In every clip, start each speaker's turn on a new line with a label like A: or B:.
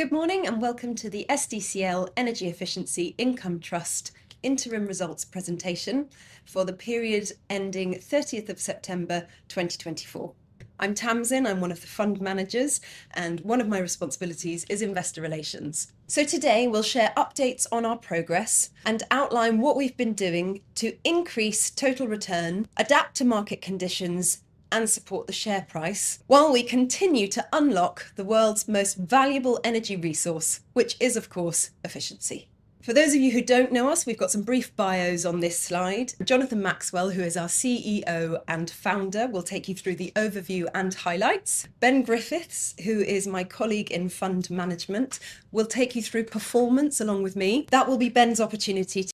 A: Good morning and welcome to the SDCL Efficiency Income Trust Interim Results Presentation for the period ending 30th of September 2024. I'm Tamsin, I'm one of the Fund Managers, and one of my responsibilities is Investor Relations. So today we'll share updates on our progress and outline what we've been doing to increase total return, adapt to market conditions, and support the share price while we continue to unlock the world's most valuable energy resource, which is, of course, efficiency. For those of you who don't know us, we've got some brief bios on this slide. Jonathan Maxwell, who is our CEO and Founder, will take you through the overview and highlights. Ben Griffiths, who is my colleague in Fund Management, will take you through performance along with me. That will be Ben's opportunity.
B: We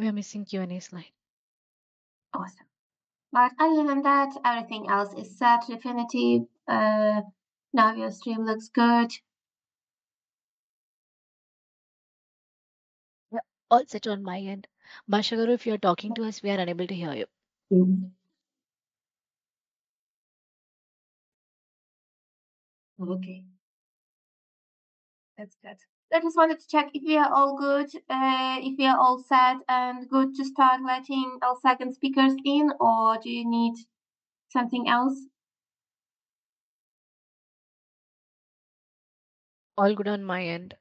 B: are missing Q&A slide. Awesome. I can do that. Everything else is set to definitive. Now your stream looks good. Yeah, it's on my end. Martha, if you're talking to us, we are unable to hear you. Okay. That's good. I just wanted to check if we are all good, if we are all set and good to start letting our second speakers in, or do you need something else? All good on my end.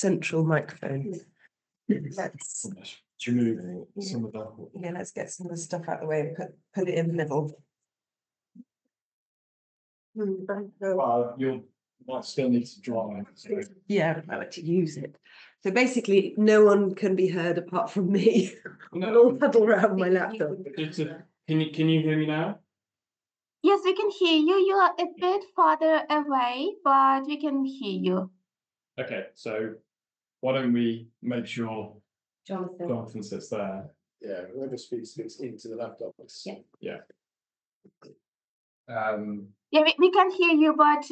A: Awesome. Central microphone.
C: Let's remove some of that.
A: Yeah, let's get some of the stuff out of the way and put it in the middle.
C: You might still need to try.
A: Yeah, I'll have to use it. So basically, no one can be heard apart from me. Not all around my laptop.
D: Can you hear me now?
B: Yes, we can hear you. You are a bit farther away, but we can hear you.
C: Okay, so why don't we make sure Jonathan sits there?
D: Yeah, we'll just speak into the laptop. Yeah.
B: Yeah, we can hear you, but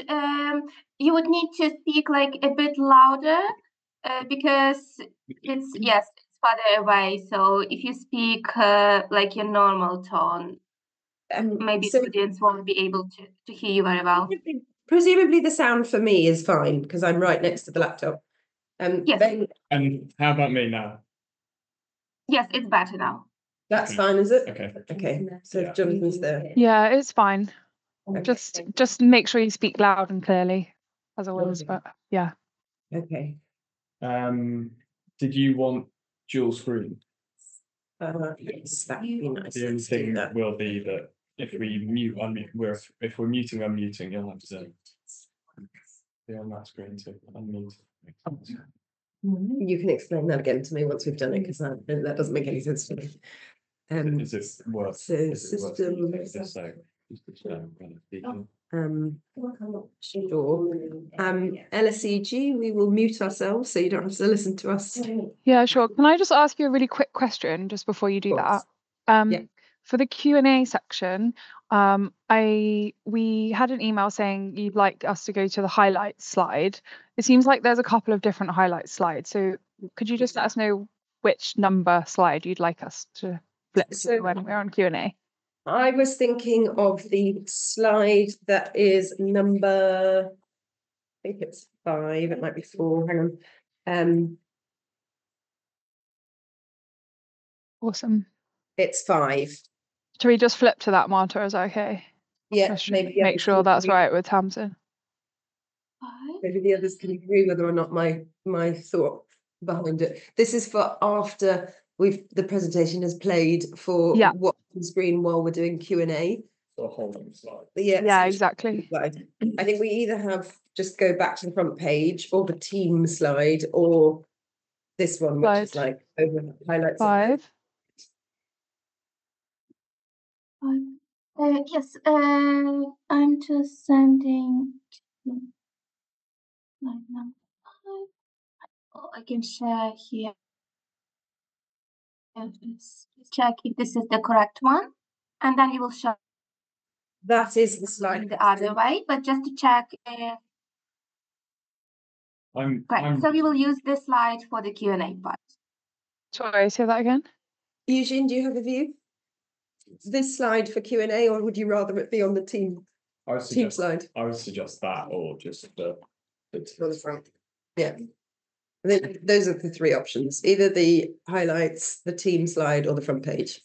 B: you would need to speak a bit louder because it's, yes, it's farther away. So if you speak like your normal tone, maybe students won't be able to hear you very well.
A: Presumably, the sound for me is fine because I'm right next to the laptop.
E: And how about me now?
B: Yes, it's better now.
A: That's fine, is it?
D: Okay.
A: Okay, so Jonathan's there.
B: Yeah, it's fine. Just make sure you speak loud and clearly, as always. But yeah.
A: Okay.
C: Did you want dual screen?
A: Yes, that would be nice.
C: The only thing that will be that if we mute, if we're muting, unmuting, you'll have to be on that screen to unmute.
D: You can explain that again to me once we've done it because that doesn't make any sense to me.
C: Is it worse?
A: Systems. LSEG, we will mute ourselves so you don't have to listen to us.
B: Yeah, sure. Can I just ask you a really quick question just before you do that?
A: Yes.
B: For the Q&A section, we had an email saying you'd like us to go to the highlight slide. It seems like there's a couple of different highlight slides. So could you just let us know which number slide you'd like us to flip to when we're on Q&A?
A: I was thinking of the slide that is number, I think it's five. It might be four. Hang on.
B: Awesome.
A: It's five.
B: Should we just flip to that, Martha, is that okay?
A: Yeah.
B: Make sure that's right with Tamsin.
A: Maybe the others can agree whether or not my thought behind it. This is for after the presentation has played for watching screen while we're doing Q&A.
C: So hold on.
B: Yeah, exactly.
A: I think we either have just go back to the front page or the team slide or this one which is like over highlights.
B: Five. Yes, I'm just sending number five. I can share here. Just check if this is the correct one. And then you will show.
A: That is the slide.
B: The other way, but just to check. So we will use this slide for the Q&A part.
A: Sorry, say that again. Eugene, do you have a view? This slide for Q&A or would you rather it be on the team?
E: I would suggest that or just the front.
A: Yeah. Those are the three options. Either the highlights, the team slide, or the front page.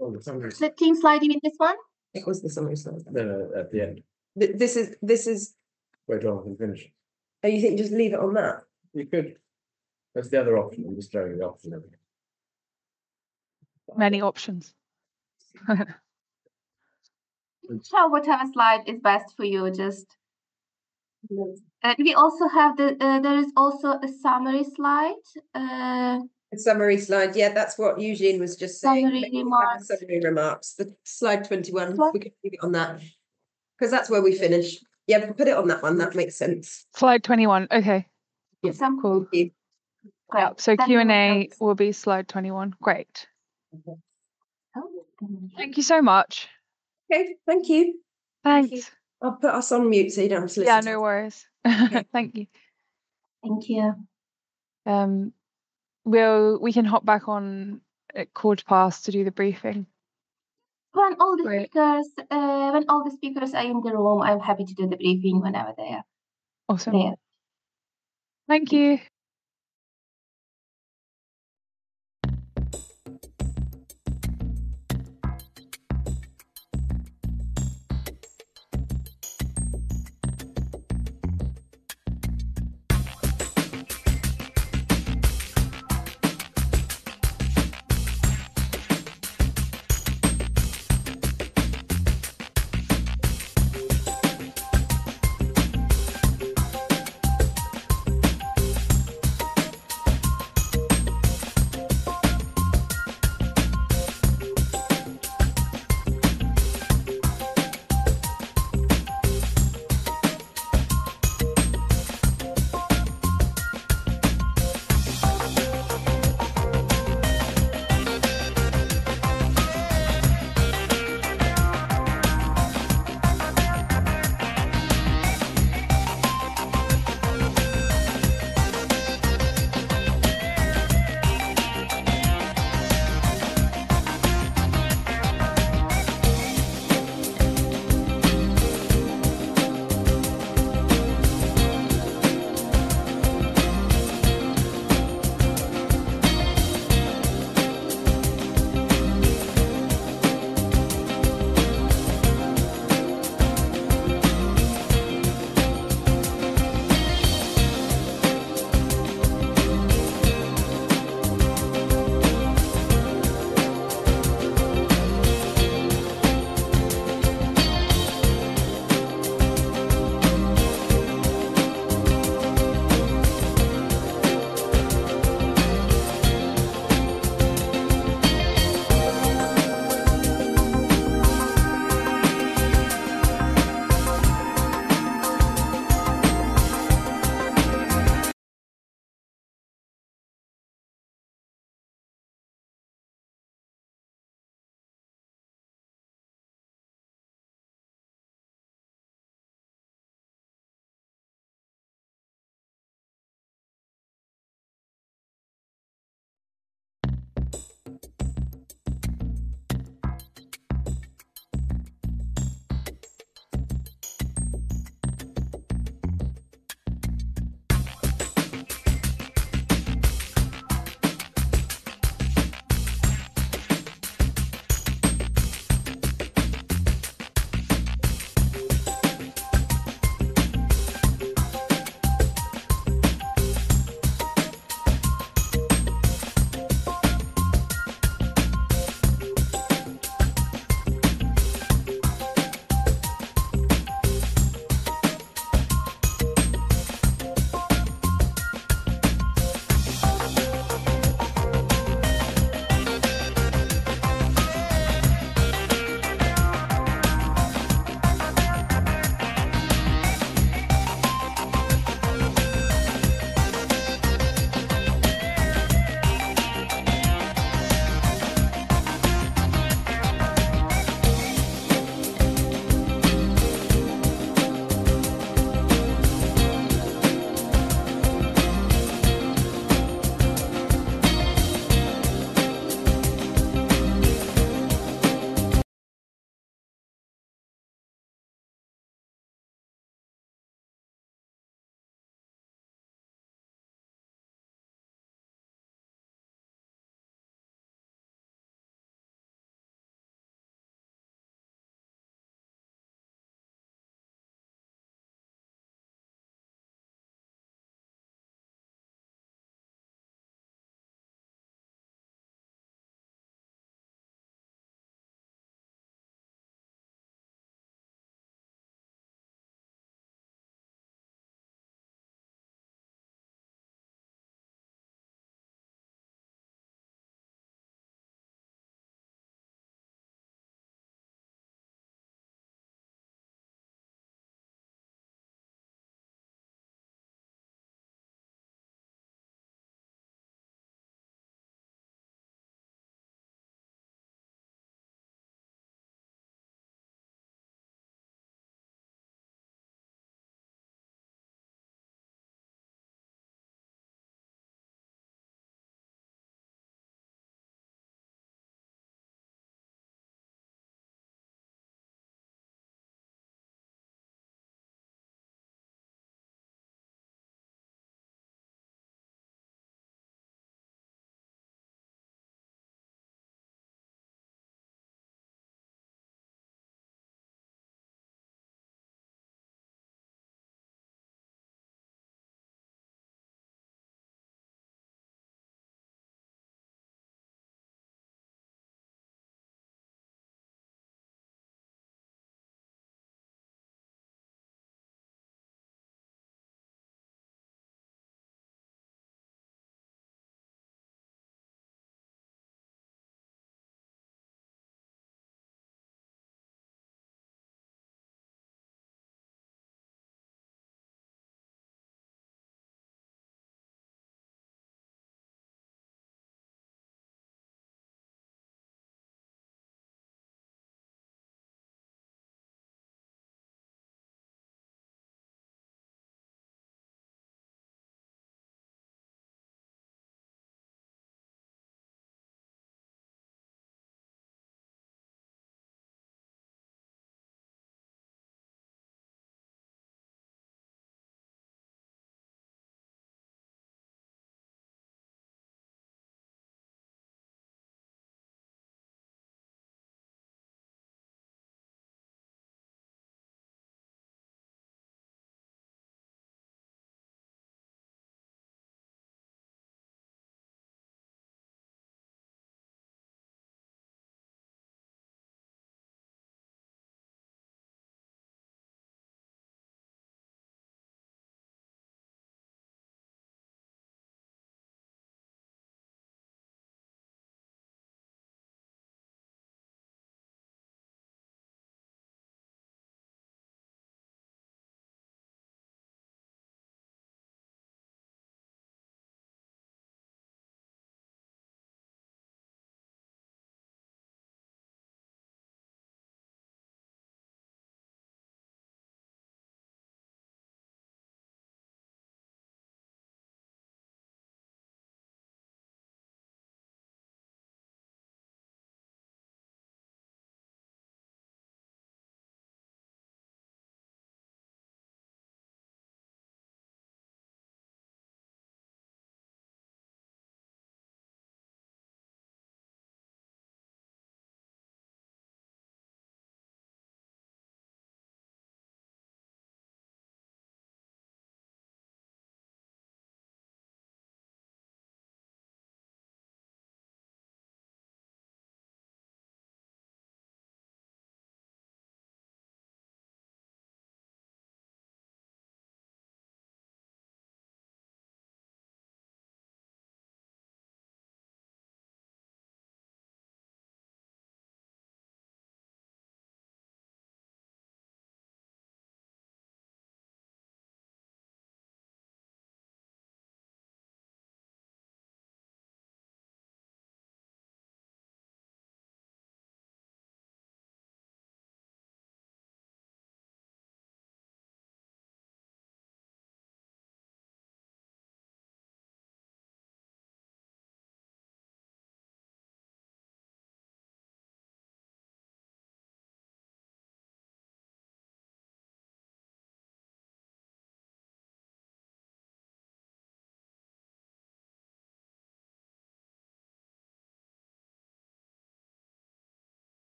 B: The team slide, you mean this one?
A: It was the summary slide.
E: No, no, at the end.
A: This is.
E: Wait, John, I can finish.
A: Oh, you think just leave it on that?
E: You could. That's the other option. I'm just showing the option there.
B: Many options. So whatever slide is best for you, just. We also have the, there is also a summary slide.
A: A summary slide, yeah, that's what Eugene was just saying. Summary remarks. The slide 21, we can leave it on that. Because that's where we finish. Yeah, put it on that one. That makes sense.
B: Slide 21, okay. Yeah, cool. So Q&A will be slide 21. Great. Thank you so much. Okay, thank you. Thanks.
A: I'll put us on mute so you don't have to listen.
B: Yeah, no worries. Thank you. Thank you. We can hop back on cold pass to do the briefing. When all the speakers are in the room, I'm happy to do the briefing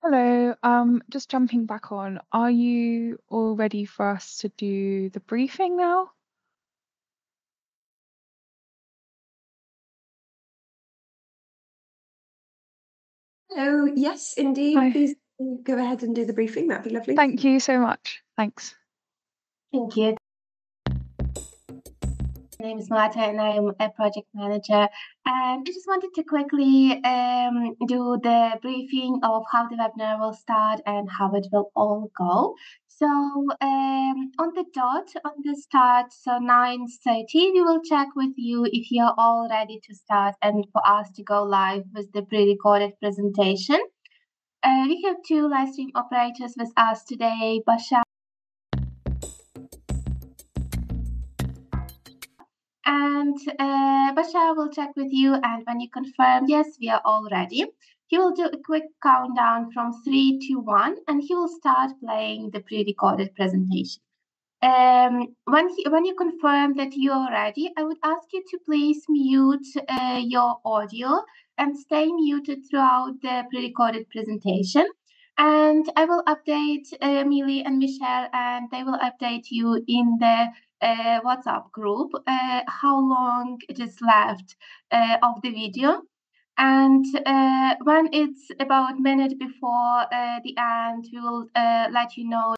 B: whenever they are. Awesome. Thank you. Hello, just jumping back on. Are you all ready for us to do the briefing now?
A: Hello, yes, indeed. Please go ahead and do the briefing. That'd be lovely.
B: Thank you so much. Thanks. Thank you. My name is Martha and I'm a project manager. I just wanted to quickly do the briefing of how the webinar will start and how it will all go. So, on the dot on the start, so 9:30 A.M., we will check with you if you're all ready to start and for us to go live with the pre-recorded presentation. We have two livestream operators with us today, Basha. And, Basha will check with you and when you confirm, yes, we are all ready. He will do a quick countdown from three to one and he will start playing the pre-recorded presentation. When you confirm that you're ready, I would ask you to please mute your audio and stay muted throughout the pre-recorded presentation. And I will update Millie and Michelle, and they will update you in the WhatsApp group how long it is left of the video. And, when it's about a minute before the end, we will let you know.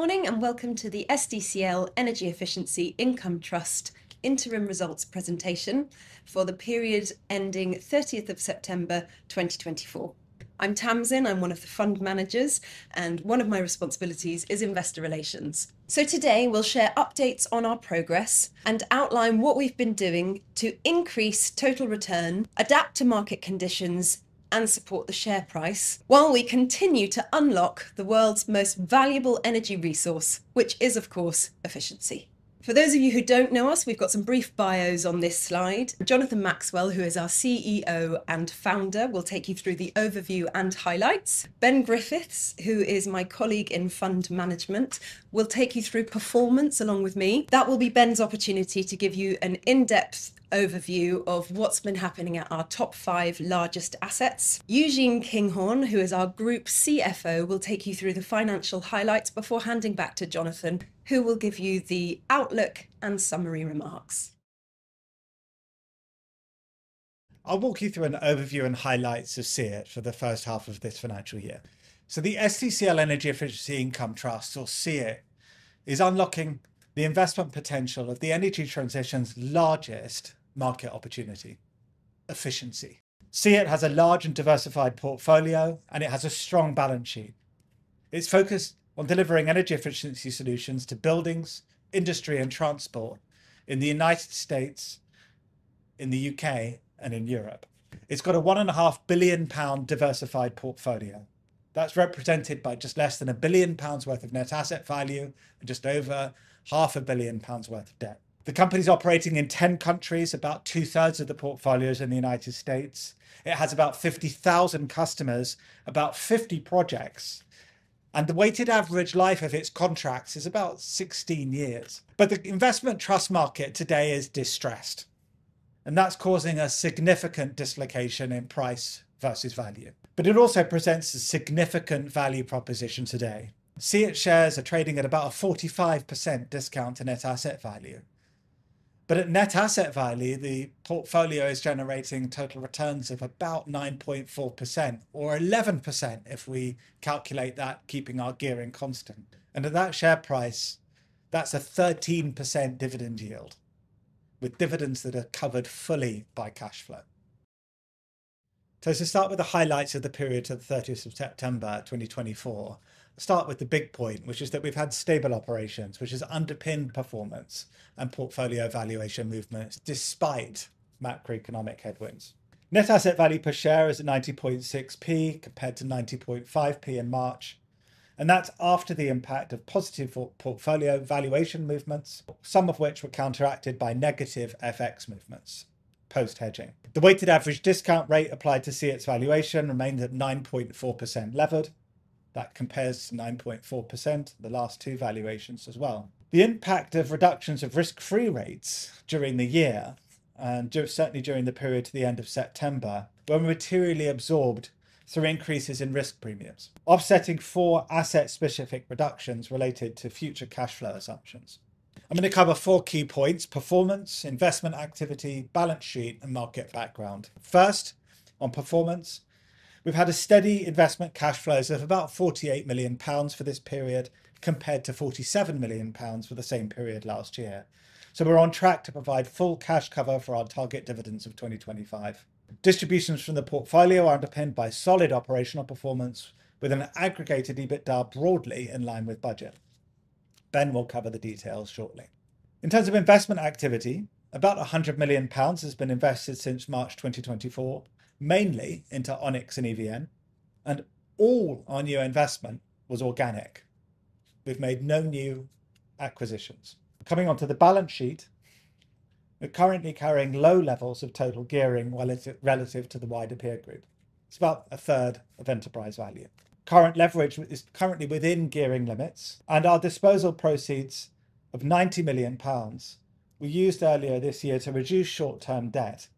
A: Good morning and welcome to the SDCL Energy Efficiency Income Trust Interim Results Presentation for the period ending 30th of September 2024. I'm Tamsin, I'm one of the Fund Managers, and one of my responsibilities is Investor Relations. So today we'll share updates on our progress and outline what we've been doing to increase total return, adapt to market conditions, and support the share price while we continue to unlock the world's most valuable energy resource, which is, of course, efficiency. For those of you who don't know us, we've got some brief bios on this slide. Jonathan Maxwell, who is our CEO and Founder, will take you through the overview and highlights. Ben Griffiths, who is my colleague in Fund Management, will take you through performance along with me. That will be Ben's opportunity to give you an in-depth overview of what's been happening at our top five largest assets. Eugene Kinghorn, who is our Group CFO, will take you through the financial highlights before handing back to Jonathan, who will give you the outlook and summary remarks.
D: I'll walk you through an overview and highlights of SEEIT for the first half of this financial year. So the SDCL Energy Efficiency Income Trust, or SEEIT, is unlocking the investment potential of the energy transition's largest market opportunity: efficiency. SEEIT has a large and diversified portfolio, and it has a strong balance sheet. It's focused on delivering energy efficiency solutions to buildings, industry, and transport in the United States, in the U.K., and in Europe. It's got a 1.5 billion pound diversified portfolio that's represented by just less than 1 billion pounds worth of net asset value and just over 500 million pounds worth of debt. The company's operating in 10 countries, about two-thirds of the portfolio is in the United States. It has about 50,000 customers, about 50 projects, and the weighted average life of its contracts is about 16 years. But the investment trust market today is distressed, and that's causing a significant dislocation in price versus value. But it also presents a significant value proposition today. SEEIT shares are trading at about a 45% discount to net asset value. But at net asset value, the portfolio is generating total returns of about 9.4%, or 11% if we calculate that keeping our gearing constant. And at that share price, that's a 13% dividend yield with dividends that are covered fully by cash flow. To start with the highlights of the period to the 30th of September 2024, I'll start with the big point, which is that we've had stable operations, which has underpinned performance and portfolio valuation movements despite macroeconomic headwinds. Net asset value per share is at 90.60 compared to 90.50 in March, and that's after the impact of positive portfolio valuation movements, some of which were counteracted by negative FX movements post-hedging. The weighted average discount rate applied to SEEIT's valuation remains at 9.4% levered. That compares to 9.4% of the last two valuations as well. The impact of reductions of risk-free rates during the year, and certainly during the period to the end of September, were materially absorbed through increases in risk premiums, offsetting four asset-specific reductions related to future cash flow assumptions. I'm going to cover four key points: performance, investment activity, balance sheet, and market background. First, on performance, we've had steady investment cash flows of about 48 million pounds for this period compared to 47 million pounds for the same period last year. So we're on track to provide full cash cover for our target dividends of 2025. Distributions from the portfolio are underpinned by solid operational performance, with an aggregated EBITDA broadly in line with budget. Ben will cover the details shortly. In terms of investment activity, about 100 million pounds has been invested since March 2024, mainly into Onyx and EVN, and all our new investment was organic. We've made no new acquisitions. Coming on to the balance sheet, we're currently carrying low levels of total gearing relative to the wider peer group. It's about a third of enterprise value. Current leverage is currently within gearing limits, and our disposal proceeds of 90 million pounds we used earlier this year to reduce short-term debt.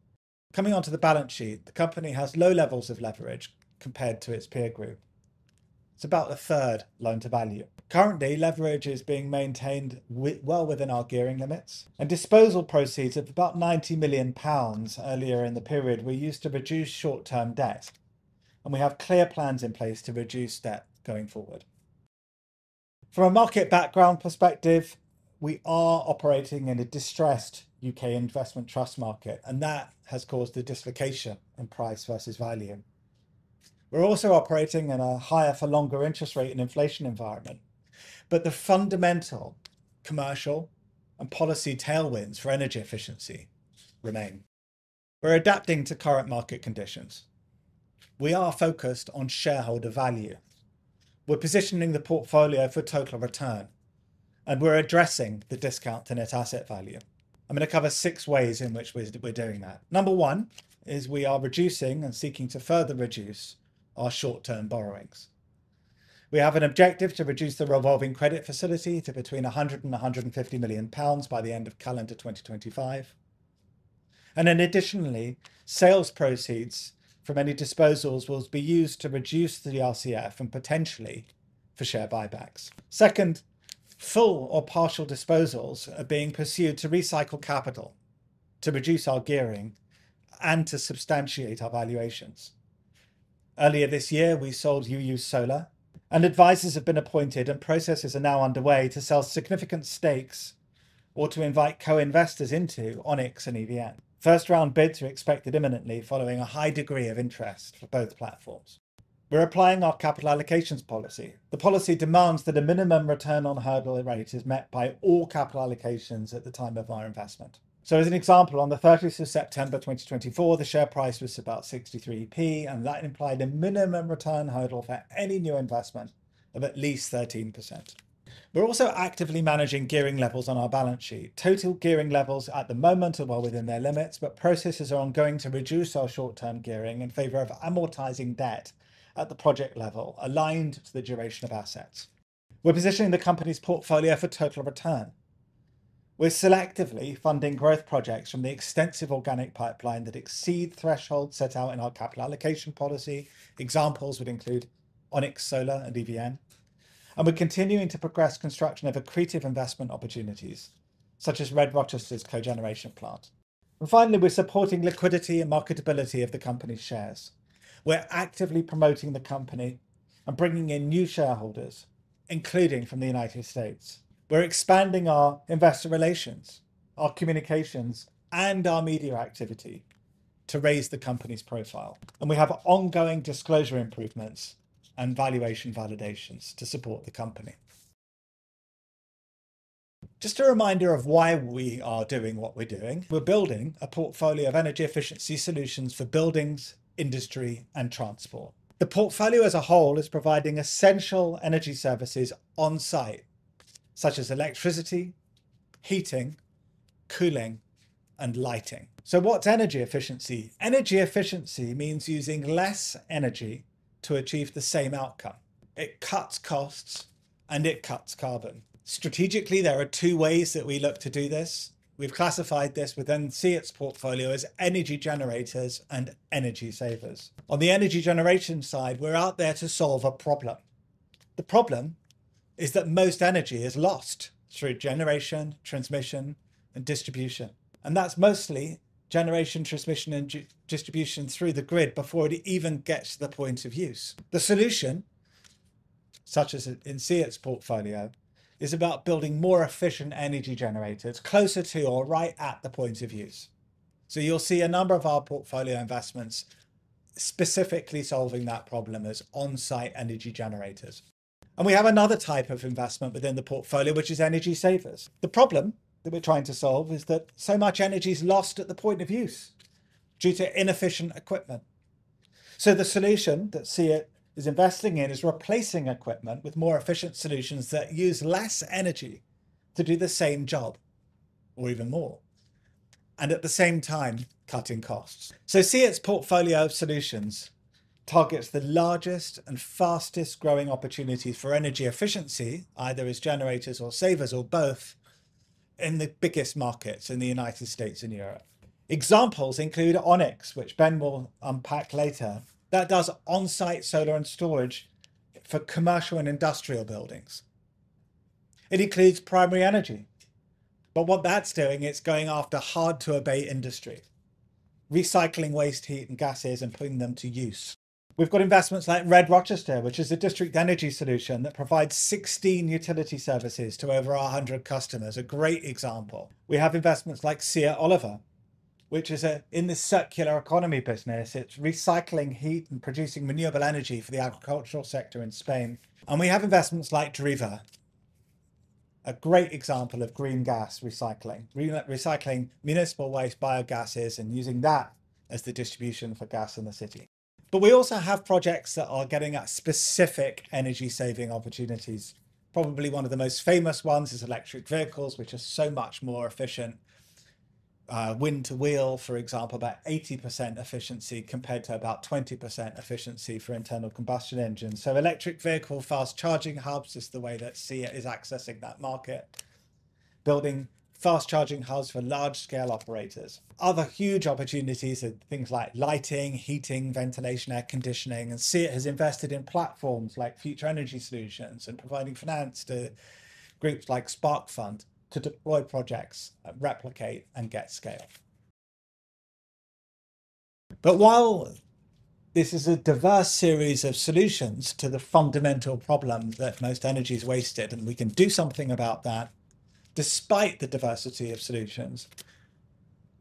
D: Coming on to the balance sheet, the company has low levels of leverage compared to its peer group. It's about a third loan to value. Currently, leverage is being maintained well within our gearing limits, and disposal proceeds of about 90 million pounds earlier in the period were used to reduce short-term debt, and we have clear plans in place to reduce debt going forward. From a market background perspective, we are operating in a distressed U.K. investment trust market, and that has caused the dislocation in price versus value. We're also operating in a higher-for-longer interest rate and inflation environment, but the fundamental commercial and policy tailwinds for energy efficiency remain. We're adapting to current market conditions. We are focused on shareholder value. We're positioning the portfolio for total return, and we're addressing the discount to net asset value. I'm going to cover six ways in which we're doing that. Number one is we are reducing and seeking to further reduce our short-term borrowings. We have an objective to reduce the revolving credit facility to between 100 million and 150 million pounds by the end of calendar 2025, and additionally, sales proceeds from any disposals will be used to reduce the RCF and potentially for share buybacks. Second, full or partial disposals are being pursued to recycle capital, to reduce our gearing, and to substantiate our valuations. Earlier this year, we sold UU Solar, and advisors have been appointed, and processes are now underway to sell significant stakes or to invite co-investors into Onyx and EVN. First round bids are expected imminently following a high degree of interest for both platforms. We're applying our capital allocations policy. The policy demands that a minimum return on hurdle rate is met by all capital allocations at the time of our investment. As an example, on the 30th of September 2024, the share price was about 0.63p, and that implied a minimum return hurdle for any new investment of at least 13%. We're also actively managing gearing levels on our balance sheet. Total gearing levels at the moment are well within their limits, but processes are ongoing to reduce our short-term gearing in favor of amortizing debt at the project level aligned to the duration of assets. We're positioning the company's portfolio for total return. We're selectively funding growth projects from the extensive organic pipeline that exceed thresholds set out in our capital allocation policy. Examples would include Onyx Solar and EVN. We are continuing to progress construction of accretive investment opportunities, such as RED-Rochester's cogeneration plant. Finally, we are supporting liquidity and marketability of the company's shares. We're actively promoting the company and bringing in new shareholders, including from the United States. We're expanding our investor relations, our communications, and our media activity to raise the company's profile. And we have ongoing disclosure improvements and valuation validations to support the company. Just a reminder of why we are doing what we're doing. We're building a portfolio of energy efficiency solutions for buildings, industry, and transport. The portfolio as a whole is providing essential energy services on site, such as electricity, heating, cooling, and lighting. So what's energy efficiency? Energy efficiency means using less energy to achieve the same outcome. It cuts costs and it cuts carbon. Strategically, there are two ways that we look to do this. We've classified this within SEEIT's portfolio as energy generators and energy savers. On the energy generation side, we're out there to solve a problem. The problem is that most energy is lost through generation, transmission, and distribution, and that's mostly generation, transmission, and distribution through the grid before it even gets to the point of use. The solution, such as in SEEIT's portfolio, is about building more efficient energy generators closer to or right at the point of use, so you'll see a number of our portfolio investments specifically solving that problem as on-site energy generators, and we have another type of investment within the portfolio, which is energy savers. The problem that we're trying to solve is that so much energy is lost at the point of use due to inefficient equipment, so the solution that SEEIT is investing in is replacing equipment with more efficient solutions that use less energy to do the same job or even more, and at the same time, cutting costs. So SEEIT's portfolio of solutions targets the largest and fastest growing opportunities for energy efficiency, either as generators or savers or both, in the biggest markets in the United States and Europe. Examples include Onyx, which Ben will unpack later. That does on-site solar and storage for commercial and industrial buildings. It includes Primary Energy. But what that's doing is going after hard-to-abate industry, recycling waste, heat, and gases, and putting them to use. We've got investments like RED-Rochester, which is a district energy solution that provides 16 utility services to over 100 customers, a great example. We have investments like SEEIT Oliva, which is in the circular economy business. It's recycling heat and producing renewable energy for the agricultural sector in Spain. We have investments like Driva, a great example of green gas recycling, recycling municipal waste, biogas, and using that as the distribution for gas in the city. We also have projects that are getting at specific energy-saving opportunities. Probably one of the most famous ones is electric vehicles, which are so much more efficient. Wind-to-wheel, for example, about 80% efficiency compared to about 20% efficiency for internal combustion engines. Electric vehicle fast charging hubs is the way that SEEIT is accessing that market, building fast charging hubs for large-scale operators. Other huge opportunities are things like lighting, heating, ventilation, air conditioning. SEEIT has invested in platforms like Future Energy Solutions and providing finance to groups like Sparkfund to deploy projects, replicate, and get scale. But while this is a diverse series of solutions to the fundamental problem that most energy is wasted and we can do something about that, despite the diversity of solutions,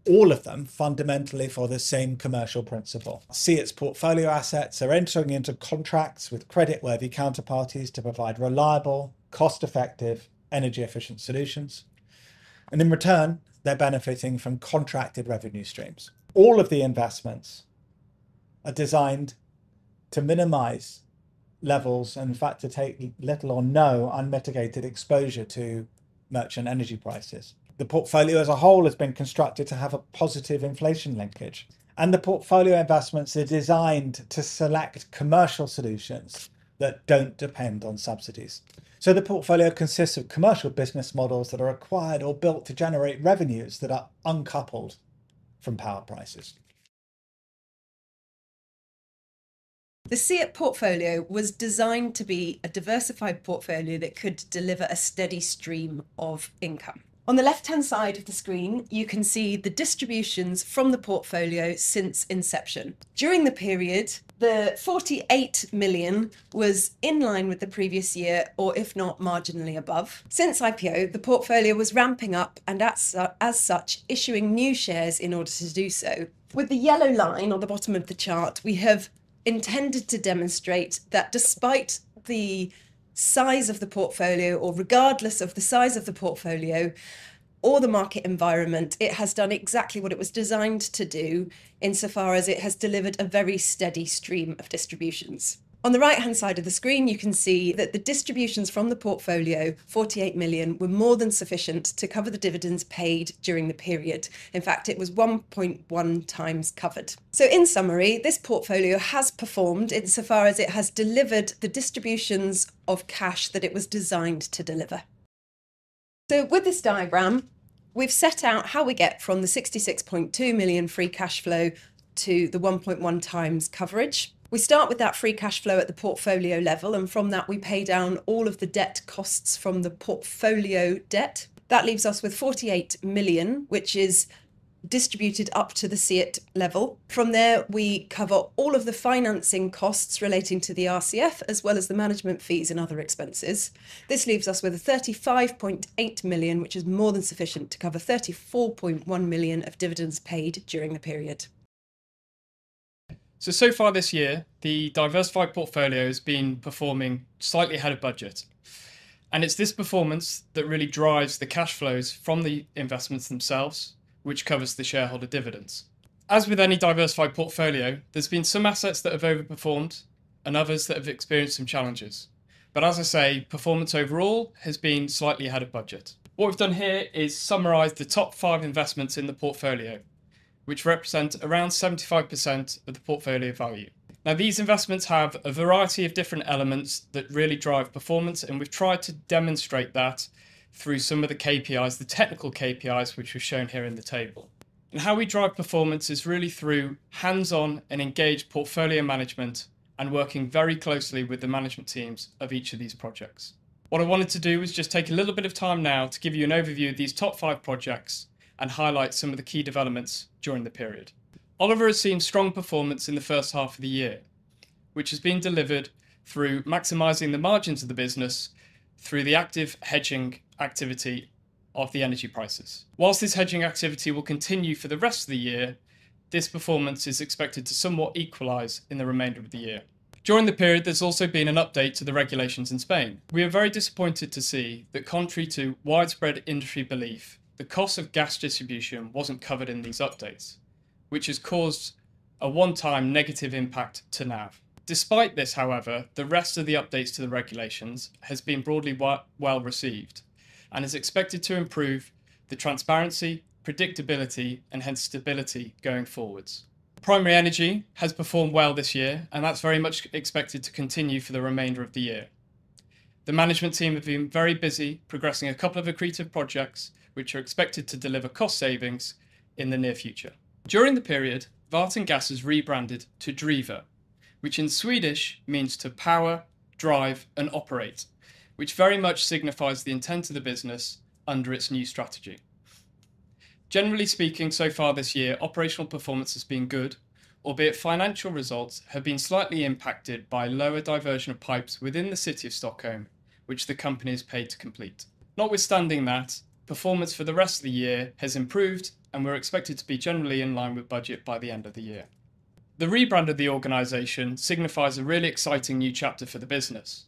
D: all of it fundamentally follow the same commercial principle. SEEIT's portfolio assets are entering into contracts with credit-worthy counterparties to provide reliable, cost-effective, energy-efficient solutions. And in return, they're benefiting from contracted revenue streams. All of the investments are designed to minimize levels and, in fact, to take little or no unmitigated exposure to merchant energy prices. The portfolio as a whole has been constructed to have a positive inflation linkage. And the portfolio investments are designed to select commercial solutions that don't depend on subsidies. So the portfolio consists of commercial business models that are acquired or built to generate revenues that are uncoupled from power prices.
A: The SEEIT portfolio was designed to be a diversified portfolio that could deliver a steady stream of income. On the left-hand side of the screen, you can see the distributions from the portfolio since inception. During the period, the 48 million was in line with the previous year or, if not, marginally above. Since IPO, the portfolio was ramping up and, as such, issuing new shares in order to do so. With the yellow line on the bottom of the chart, we have intended to demonstrate that despite the size of the portfolio, or regardless of the size of the portfolio or the market environment, it has done exactly what it was designed to do insofar as it has delivered a very steady stream of distributions. On the right-hand side of the screen, you can see that the distributions from the portfolio, 48 million, were more than sufficient to cover the dividends paid during the period. In fact, it was 1.1x covered. So, in summary, this portfolio has performed insofar as it has delivered the distributions of cash that it was designed to deliver. So, with this diagram, we've set out how we get from the 66.2 million free cash flow to the 1.1x coverage. We start with that free cash flow at the portfolio level, and from that, we pay down all of the debt costs from the portfolio debt. That leaves us with 48 million, which is distributed up to the SEEIT level. From there, we cover all of the financing costs relating to the RCF, as well as the management fees and other expenses. This leaves us with a 35.8 million, which is more than sufficient to cover 34.1 million of dividends paid during the period.
C: So, so far this year, the diversified portfolio has been performing slightly ahead of budget. And it's this performance that really drives the cash flows from the investments themselves, which covers the shareholder dividends. As with any diversified portfolio, there's been some assets that have overperformed and others that have experienced some challenges. But, as I say, performance overall has been slightly ahead of budget. What we've done here is summarize the top five investments in the portfolio, which represent around 75% of the portfolio value. Now, these investments have a variety of different elements that really drive performance, and we've tried to demonstrate that through some of the KPIs, the technical KPIs, which are shown here in the table. How we drive performance is really through hands-on and engaged portfolio management and working very closely with the management teams of each of these projects. What I wanted to do was just take a little bit of time now to give you an overview of these top five projects and highlight some of the key developments during the period. Oliva has seen strong performance in the first half of the year, which has been delivered through maximizing the margins of the business through the active hedging activity of the energy prices. While this hedging activity will continue for the rest of the year, this performance is expected to somewhat equalize in the remainder of the year. During the period, there's also been an update to the regulations in Spain. We are very disappointed to see that, contrary to widespread industry belief, the cost of gas distribution wasn't covered in these updates, which has caused a one-time negative impact to NAV. Despite this, however, the rest of the updates to the regulations has been broadly well received and is expected to improve the transparency, predictability, and hence stability going forwards. Primary Energy has performed well this year, and that's very much expected to continue for the remainder of the year. The management team have been very busy progressing a couple of accretive projects, which are expected to deliver cost savings in the near future. During the period, Värtan Gas has rebranded to Driva, which in Swedish means to power, drive, and operate, which very much signifies the intent of the business under its new strategy. Generally speaking, so far this year, operational performance has been good, albeit financial results have been slightly impacted by lower diversion of pipes within the city of Stockholm, which the company has paid to complete. Notwithstanding that, performance for the rest of the year has improved, and we're expected to be generally in line with budget by the end of the year. The rebrand of the organization signifies a really exciting new chapter for the business.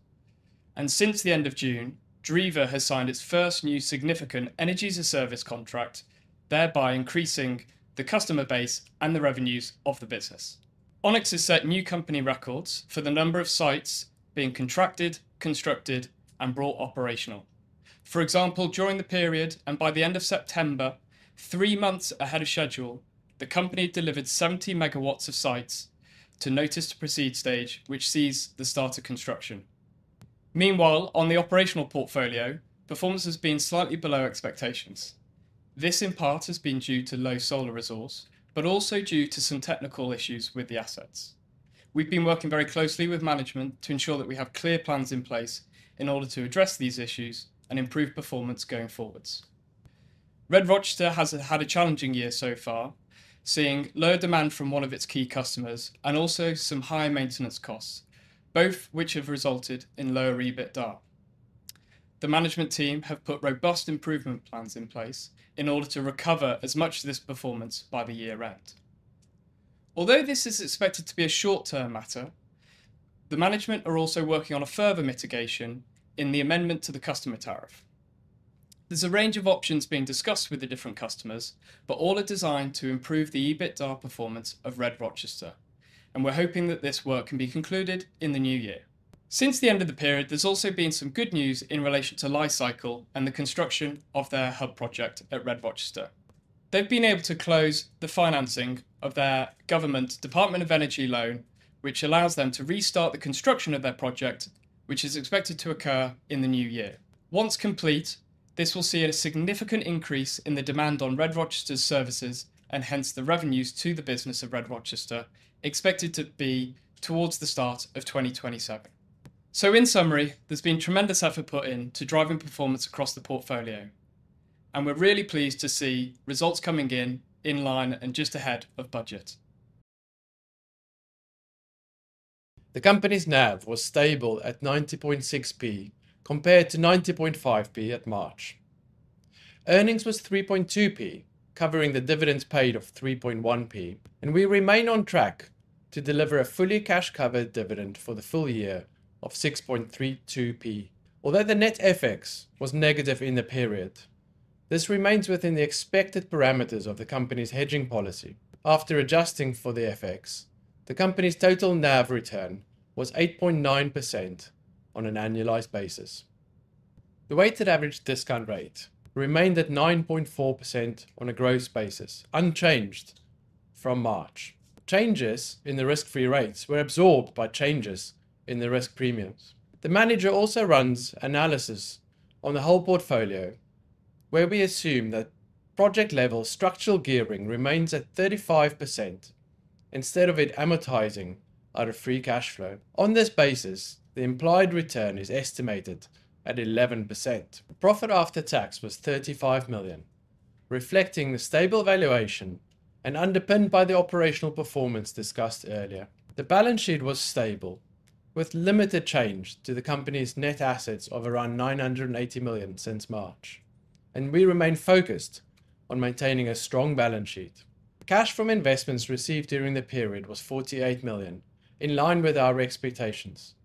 C: And since the end of June, Driva has signed its first new significant energy-as-a-service contract, thereby increasing the customer base and the revenues of the business. Onyx has set new company records for the number of sites being contracted, constructed, and brought operational. For example, during the period and by the end of September, three months ahead of schedule, the company delivered 70 mW of sites to Notice to Proceed stage, which sees the start of construction. Meanwhile, on the operational portfolio, performance has been slightly below expectations. This, in part, has been due to low solar resource, but also due to some technical issues with the assets. We've been working very closely with management to ensure that we have clear plans in place in order to address these issues and improve performance going forwards. RED-Rochester has had a challenging year so far, seeing low demand from one of its key customers and also some high maintenance costs, both of which have resulted in lower EBITDA. The management team have put robust improvement plans in place in order to recover as much of this performance by the year-end. Although this is expected to be a short-term matter, the management are also working on a further mitigation in the amendment to the customer tariff. There's a range of options being discussed with the different customers, but all are designed to improve the EBITDA performance of RED-Rochester, and we're hoping that this work can be concluded in the new year. Since the end of the period, there's also been some good news in relation to Li-Cycle and the construction of their hub project at RED-Rochester. They've been able to close the financing of their government Department of Energy loan, which allows them to restart the construction of their project, which is expected to occur in the new year. Once complete, this will see a significant increase in the demand on RED-Rochester's services and hence the revenues to the business of RED-Rochester, expected to be towards the start of 2027, so in summary, there's been tremendous effort put in to driving performance across the portfolio. And we're really pleased to see results coming in in line and just ahead of budget. The company's NAV was stable at 90.6p compared to 90.5p at March. Earnings was 3.2p, covering the dividends paid of 3.1p, and we remain on track to deliver a fully cash-covered dividend for the full year of 6.32p. Although the net FX was negative in the period, this remains within the expected parameters of the company's hedging policy. After adjusting for the FX, the company's total NAV return was 8.9% on an annualized basis. The weighted average discount rate remained at 9.4% on a gross basis, unchanged from March. Changes in the risk-free rates were absorbed by changes in the risk premiums. The manager also runs analysis on the whole portfolio, where we assume that project-level structural gearing remains at 35% instead of it amortizing out of free cash flow. On this basis, the implied return is estimated at 11%. Profit after tax was 35 million, reflecting the stable valuation and underpinned by the operational performance discussed earlier. The balance sheet was stable, with limited change to the company's net assets of around 980 million since March. We remain focused on maintaining a strong balance sheet. Cash from investments received during the period was 48 million, in line with our expectations.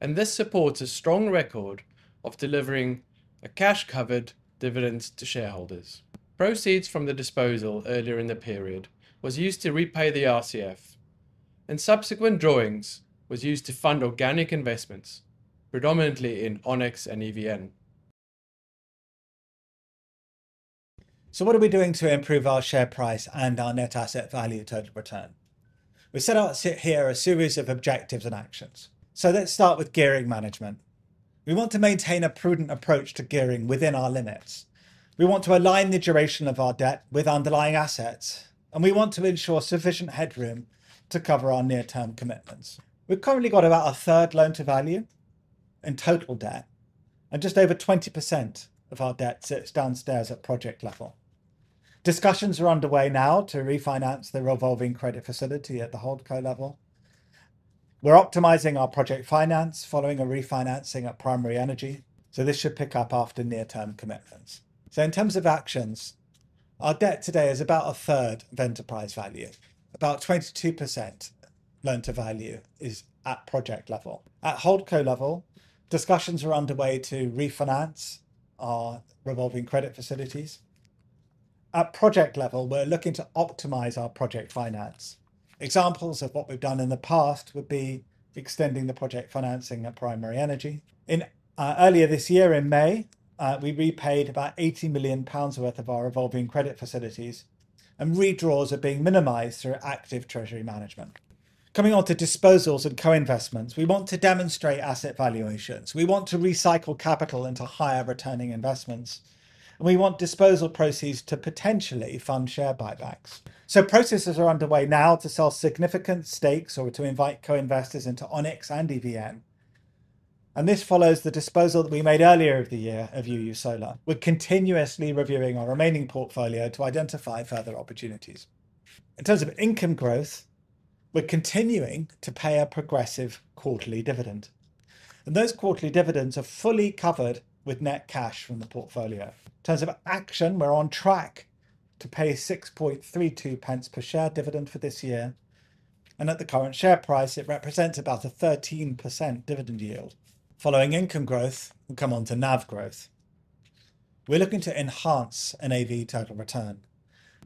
C: This supports a strong record of delivering a cash-covered dividend to shareholders. Proceeds from the disposal earlier in the period were used to repay the RCF, and subsequent drawings were used to fund organic investments, predominantly in Onyx and EVN.
E: So, what are we doing to improve our share price and our net asset value total return? We set out here a series of objectives and actions. So, let's start with gearing management. We want to maintain a prudent approach to gearing within our limits. We want to align the duration of our debt with underlying assets, and we want to ensure sufficient headroom to cover our near-term commitments. We've currently got about a third loan to value in total debt, and just over 20% of our debt sits downstairs at project level. Discussions are underway now to refinance the revolving credit facility at the Holdco level. We're optimizing our project finance following a refinancing at Primary Energy, so this should pick up after near-term commitments. So, in terms of actions, our debt today is about a third of enterprise value. About 22% loan to value is at project level. At Holdco level, discussions are underway to refinance our revolving credit facilities. At project level, we're looking to optimize our project finance. Examples of what we've done in the past would be extending the project financing at Primary Energy. Earlier this year, in May, we repaid about 80 million pounds worth of our revolving credit facilities, and redraws are being minimized through active treasury management. Coming on to disposals and co-investments, we want to demonstrate asset valuations. We want to recycle capital into higher returning investments, and we want disposal proceeds to potentially fund share buybacks. Processes are underway now to sell significant stakes or to invite co-investors into Onyx and EVN. And this follows the disposal that we made earlier this year of UU Solar. We're continuously reviewing our remaining portfolio to identify further opportunities. In terms of income growth, we're continuing to pay a progressive quarterly dividend. And those quarterly dividends are fully covered with net cash from the portfolio. In terms of traction, we're on track to pay 6.32 pence per share dividend for this year. And at the current share price, it represents about a 13% dividend yield. Following income growth, we come on to NAV growth. We're looking to enhance NAV total return.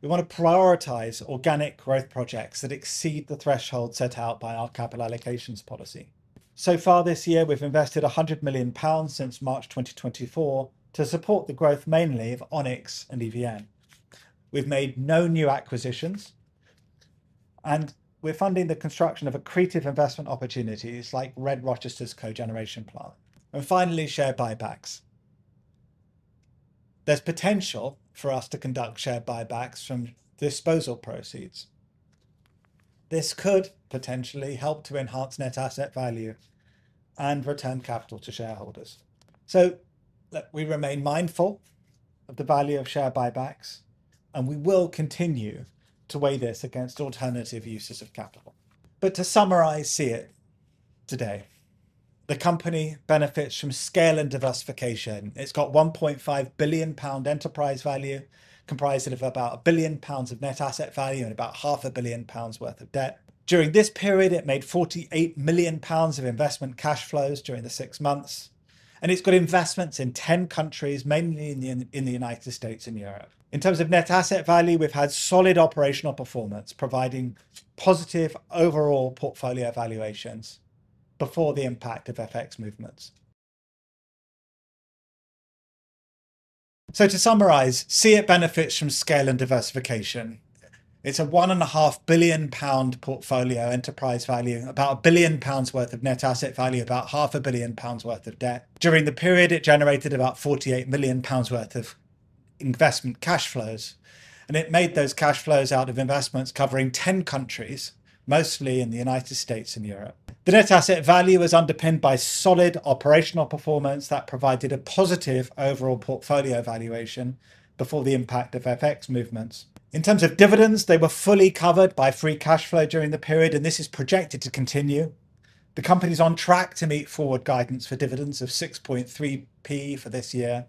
E: We want to prioritize organic growth projects that exceed the threshold set out by our capital allocations policy. So far this year, we've invested 100 million pounds since March 2024 to support the growth mainly of Onyx and EVN. We've made no new acquisitions, and we're funding the construction of accretive investment opportunities like RED-Rochester's cogeneration plant. And finally, share buybacks. There's potential for us to conduct share buybacks from disposal proceeds. This could potentially help to enhance net asset value and return capital to shareholders. So, we remain mindful of the value of share buybacks, and we will continue to weigh this against alternative uses of capital. But to summarize here today, the company benefits from scale and diversification. It's got 1.5 billion pound enterprise value, comprising of about 1 billion pounds of net asset value and about 0.5 billion pounds worth of debt. During this period, it made 48 million pounds of investment cash flows during the six months. It’s got investments in 10 countries, mainly in the United States and Europe. In terms of net asset value, we’ve had solid operational performance, providing positive overall portfolio valuations before the impact of FX movements. To summarize, SEEIT benefits from scale and diversification. It’s a 1.5 billion pound portfolio enterprise value, about 1 billion pounds worth of net asset value, about 0.5 billion pounds worth of debt. During the period, it generated about 48 million pounds worth of investment cash flows. It made those cash flows out of investments covering 10 countries, mostly in the United States and Europe. The net asset value was underpinned by solid operational performance that provided a positive overall portfolio valuation before the impact of FX movements. In terms of dividends, they were fully covered by free cash flow during the period, and this is projected to continue. The company's on track to meet forward guidance for dividends of 6.3p for this year,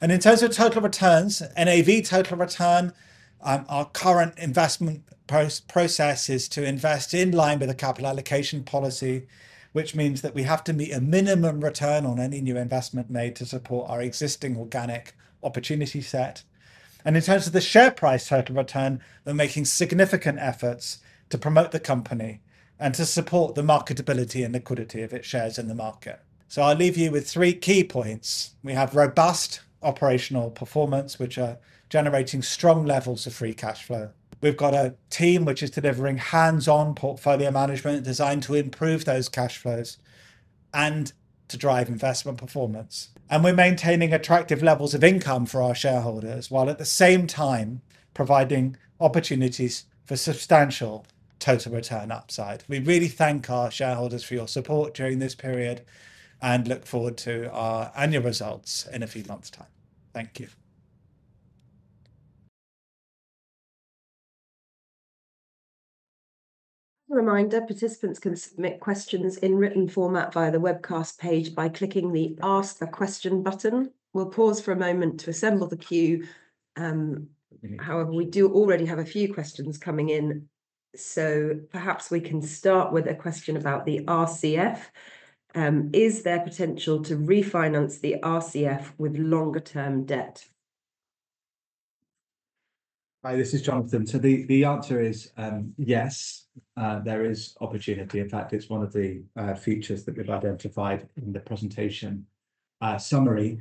E: and in terms of total returns, NAV total return, our current investment process is to invest in line with the capital allocation policy, which means that we have to meet a minimum return on any new investment made to support our existing organic opportunity set, and in terms of the share price total return, we're making significant efforts to promote the company and to support the marketability and liquidity of its shares in the market, so I'll leave you with three key points. We have robust operational performance, which are generating strong levels of free cash flow. We've got a team which is delivering hands-on portfolio management designed to improve those cash flows and to drive investment performance. And we're maintaining attractive levels of income for our shareholders while at the same time providing opportunities for substantial total return upside. We really thank our shareholders for your support during this period and look forward to our annual results in a few months' time. Thank you.
A: As a reminder, participants can submit questions in written format via the webcast page by clicking the Ask a Question button. We'll pause for a moment to assemble the queue. However, we do already have a few questions coming in. So, perhaps we can start with a question about the RCF. Is there potential to refinance the RCF with longer-term debt?
D: Hi, this is Jonathan. So, the answer is yes. There is opportunity. In fact, it's one of the features that we've identified in the presentation summary.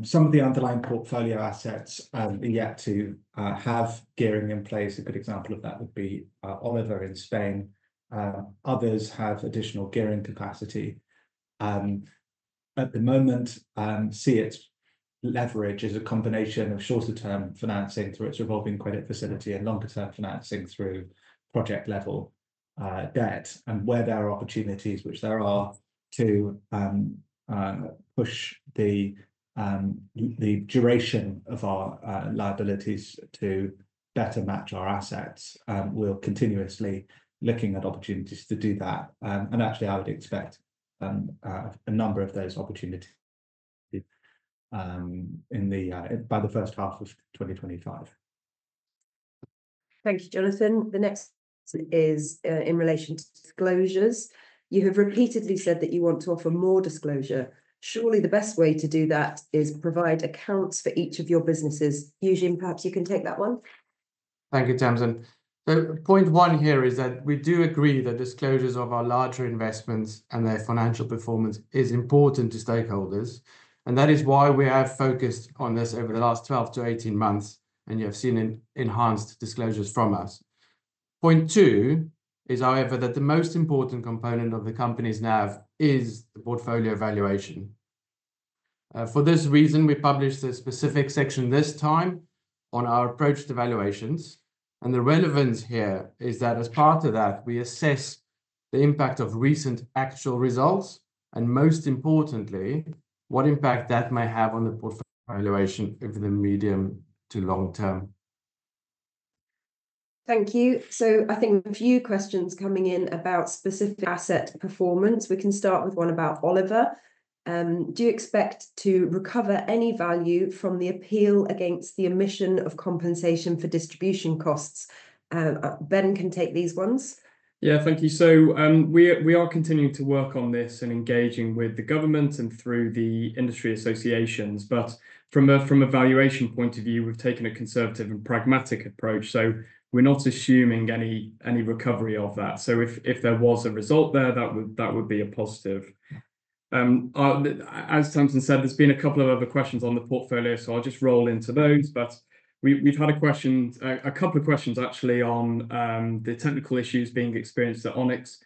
D: Some of the underlying portfolio assets are yet to have gearing in place. A good example of that would be Oliva in Spain. Others have additional gearing capacity. At the moment, SEEIT's leverage is a combination of shorter-term financing through its revolving credit facility and longer-term financing through project-level debt. And where there are opportunities, which there are to push the duration of our liabilities to better match our assets, we're continuously looking at opportunities to do that. And actually, I would expect a number of those opportunities by the first half of 2025.
A: Thank you, Jonathan. The next question is in relation to disclosures. You have repeatedly said that you want to offer more disclosure. Surely, the best way to do that is to provide accounts for each of your businesses. Eugene, perhaps you can take that one.
E: Thank you, Tamsin. So, point one here is that we do agree that disclosures of our larger investments and their financial performance are important to stakeholders. And that is why we have focused on this over the last 12-18 months, and you have seen enhanced disclosures from us. Point two is, however, that the most important component of the company's NAV is the portfolio valuation. For this reason, we published a specific section this time on our approach to valuations. And the relevance here is that as part of that, we assess the impact of recent actual results and, most importantly, what impact that may have on the portfolio valuation over the medium to long term.
A: Thank you. So, I think a few questions coming in about specific asset performance. We can start with one about Oliva. Do you expect to recover any value from the appeal against the omission of compensation for distribution costs? Ben can take these ones.
C: Yeah, thank you. So, we are continuing to work on this and engaging with the government and through the industry associations. But from a valuation point of view, we've taken a conservative and pragmatic approach. So, we're not assuming any recovery of that. So, if there was a result there, that would be a positive. As Tamsin said, there's been a couple of other questions on the portfolio, so I'll just roll into those. But we've had a question, a couple of questions actually, on the technical issues being experienced at Onyx.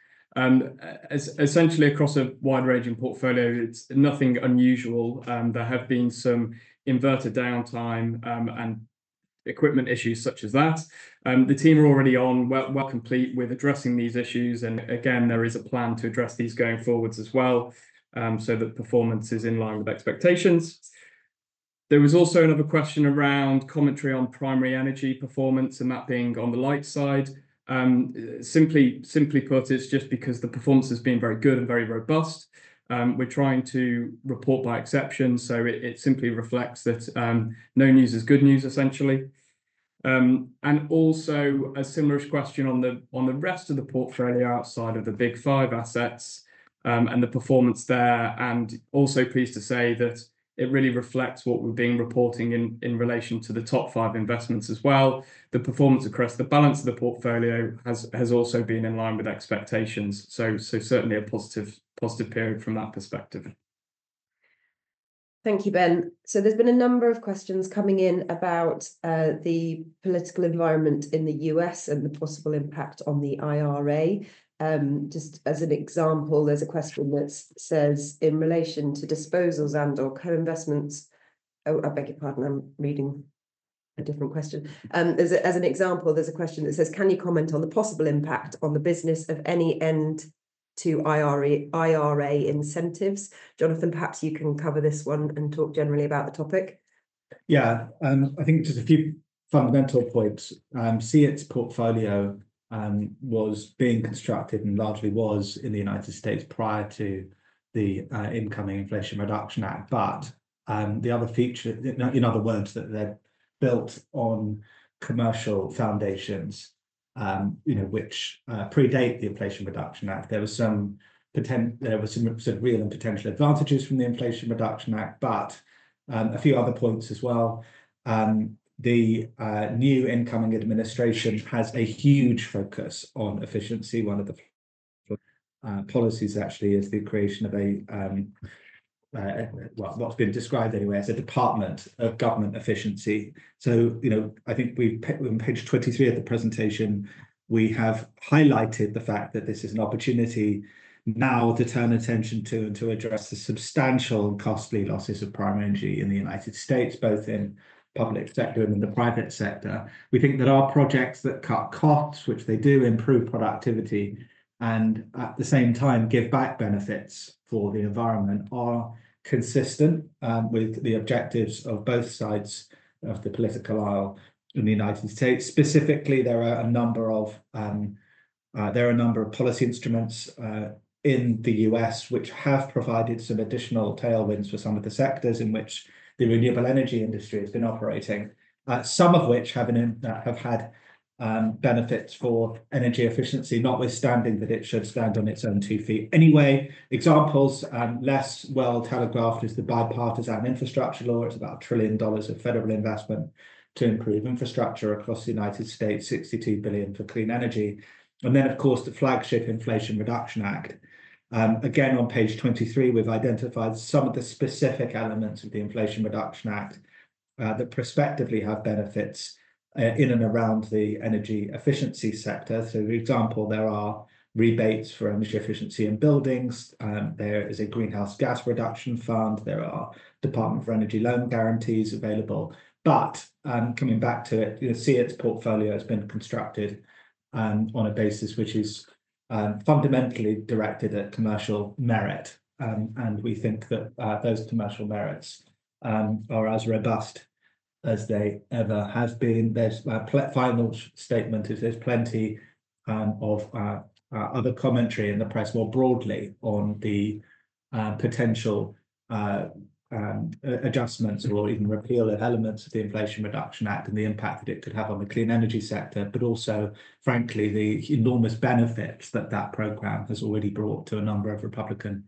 C: Essentially, across a wide-ranging portfolio, it's nothing unusual. There have been some unintended downtime and equipment issues such as that. The team are already on it, well complete with addressing these issues. Again, there is a plan to address these going forwards as well so that performance is in line with expectations. There was also another question around commentary on Primary Energy performance and that being on the light side. Simply put, it's just because the performance has been very good and very robust. We're trying to report by exception, so it simply reflects that no news is good news, essentially. Also, a similar question on the rest of the portfolio outside of the big five assets and the performance there. Also, pleased to say that it really reflects what we're being reporting in relation to the top five investments as well. The performance across the balance of the portfolio has also been in line with expectations. Certainly a positive period from that perspective.
A: Thank you, Ben. There has been a number of questions coming in about the political environment in the U.S. and the possible impact on the IRA. Just as an example, there's a question that says, in relation to disposals and/or co-investments. Oh, I beg your pardon, I'm reading a different question. As an example, there's a question that says, can you comment on the possible impact on the business of any end-to-IRA incentives? Jonathan, perhaps you can cover this one and talk generally about the topic.
D: Yeah, I think just a few fundamental points. SEEIT's portfolio was being constructed and largely was in the United States prior to the incoming Inflation Reduction Act. But the other feature, in other words, that they've built on commercial foundations, you know, which predate the Inflation Reduction Act. There were some real and potential advantages from the Inflation Reduction Act, but a few other points as well. The new incoming administration has a huge focus on efficiency. One of the policies actually is the creation of a, well, what's been described anyway, as a Department of Government Efficiency. So, you know, I think we've on page 23 of the presentation, we have highlighted the fact that this is an opportunity now to turn attention to and to address the substantial and costly losses of primary energy in the United States, both in the public sector and in the private sector. We think that our projects that cut costs, which they do improve productivity and at the same time give back benefits for the environment, are consistent with the objectives of both sides of the political aisle in the United States. Specifically, there are a number of policy instruments in the U.S. which have provided some additional tailwinds for some of the sectors in which the renewable energy industry has been operating, some of which have had benefits for energy efficiency, notwithstanding that it should stand on its own two feet anyway. Examples less well telegraphed is the Bipartisan Infrastructure Law. It's about $1 trillion of federal investment to improve infrastructure across the United States, $62 billion for clean energy. And then, of course, the flagship Inflation Reduction Act. Again, on page 23, we've identified some of the specific elements of the Inflation Reduction Act that prospectively have benefits in and around the energy efficiency sector. So, for example, there are rebates for energy efficiency in buildings. There is a Greenhouse Gas Reduction Fund. There are Department of Energy loan guarantees available. But coming back to it, you know, SEEIT's portfolio has been constructed on a basis which is fundamentally directed at commercial merit. And we think that those commercial merits are as robust as they ever have been. There's a final statement is there's plenty of other commentary in the press more broadly on the potential adjustments or even repeal of elements of the Inflation Reduction Act and the impact that it could have on the clean energy sector, but also, frankly, the enormous benefits that that program has already brought to a number of Republican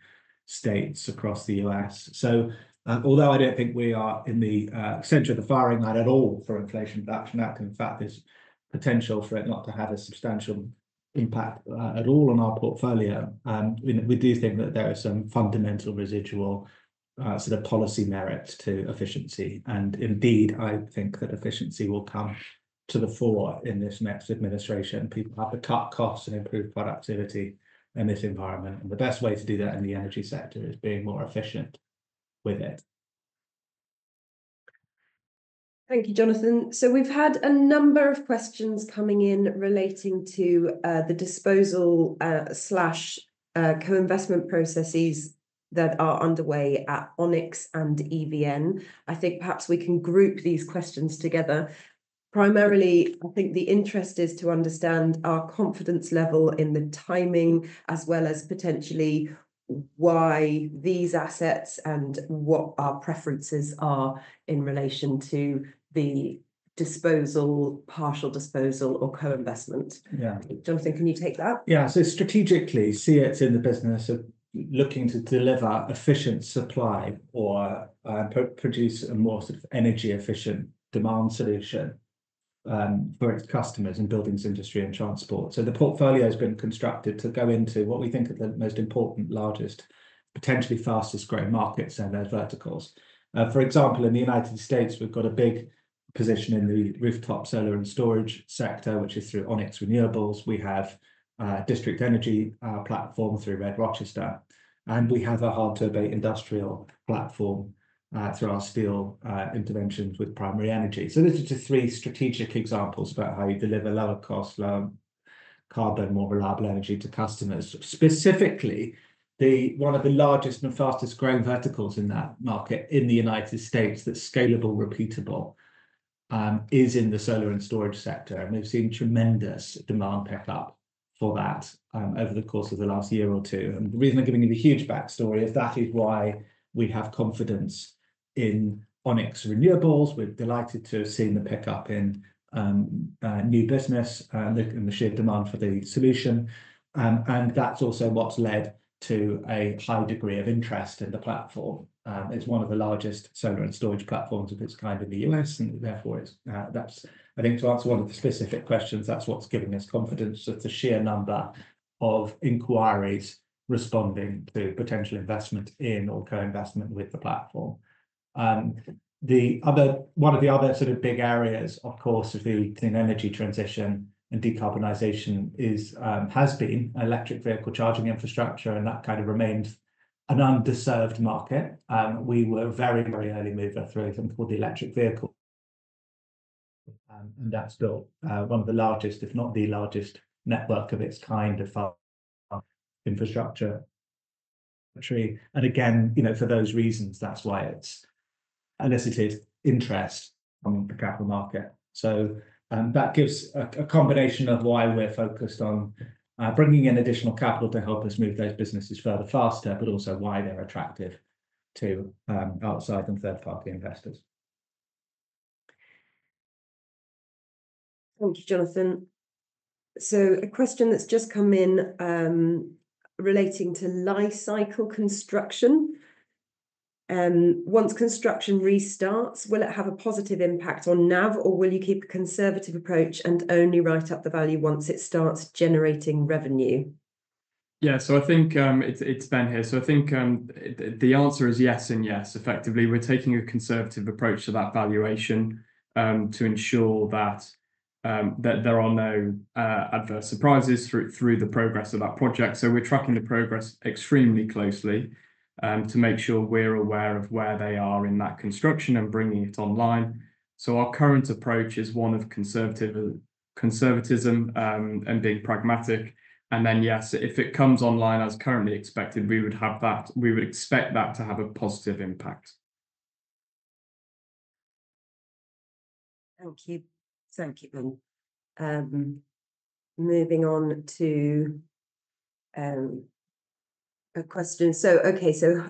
D: states across the U.S. So, although I don't think we are in the center of the firing line at all for Inflation Reduction Act, in fact, there's potential for it not to have a substantial impact at all on our portfolio. We do think that there are some fundamental residual sort of policy merits to efficiency. And indeed, I think that efficiency will come to the fore in this next administration. People have to cut costs and improve productivity in this environment. And the best way to do that in the energy sector is being more efficient with it.
A: Thank you, Jonathan, so we've had a number of questions coming in relating to the disposal or co-investment processes that are underway at Onyx and EVN. I think perhaps we can group these questions together. Primarily, I think the interest is to understand our confidence level in the timing as well as potentially why these assets and what our preferences are in relation to the disposal, partial disposal, or co-investment. Jonathan, can you take that?
D: Yeah, so strategically, SEEIT's in the business of looking to deliver efficient supply or produce a more sort of energy-efficient demand solution for its customers in buildings, industry, and transport. So, the portfolio has been constructed to go into what we think are the most important, largest, potentially fastest-growing markets and their verticals. For example, in the United States, we've got a big position in the rooftop solar and storage sector, which is through Onyx Renewables. We have a district energy platform through RED-Rochester. And we have a hard-to-abate industrial platform through our steel interventions with Primary Energy. So, these are just three strategic examples about how you deliver lower cost, lower carbon, more reliable energy to customers. Specifically, one of the largest and fastest-growing verticals in that market in the United States that's scalable, repeatable, is in the solar and storage sector. And we've seen tremendous demand pick up for that over the course of the last year or two. And the reason I'm giving you the huge backstory is that is why we have confidence in Onyx Renewables. We're delighted to have seen the pick up in new business and the sheer demand for the solution. And that's also what's led to a high degree of interest in the platform. It's one of the largest solar and storage platforms of its kind in the U.S. And therefore, that's, I think, to answer one of the specific questions, that's what's giving us confidence. So, it's a sheer number of inquiries responding to potential investment in or co-investment with the platform. One of the other sort of big areas, of course, of the clean energy transition and decarbonization has been electric vehicle charging infrastructure. And that kind of remains an underserved market. We were a very, very early mover through it and built the electric vehicle. And that's built one of the largest, if not the largest, network of its kind of infrastructure. And again, you know, for those reasons, that's why it's elicited interest on the capital market. So, that gives a combination of why we're focused on bringing in additional capital to help us move those businesses further faster, but also why they're attractive to outside and third-party investors.
A: Thank you, Jonathan. A question that's just come in relating to Li-Cycle construction. Once construction restarts, will it have a positive impact on NAV, or will you keep a conservative approach and only write up the value once it starts generating revenue?
C: Yeah, so I think it's Ben here. I think the answer is yes and yes. Effectively, we're taking a conservative approach to that valuation to ensure that there are no adverse surprises through the progress of that project. So, we're tracking the progress extremely closely to make sure we're aware of where they are in that construction and bringing it online. So, our current approach is one of conservatism and being pragmatic. And then, yes, if it comes online, as currently expected, we would have that. We would expect that to have a positive impact.
A: Thank you. Thank you, Ben. Moving on to a question. So, okay, so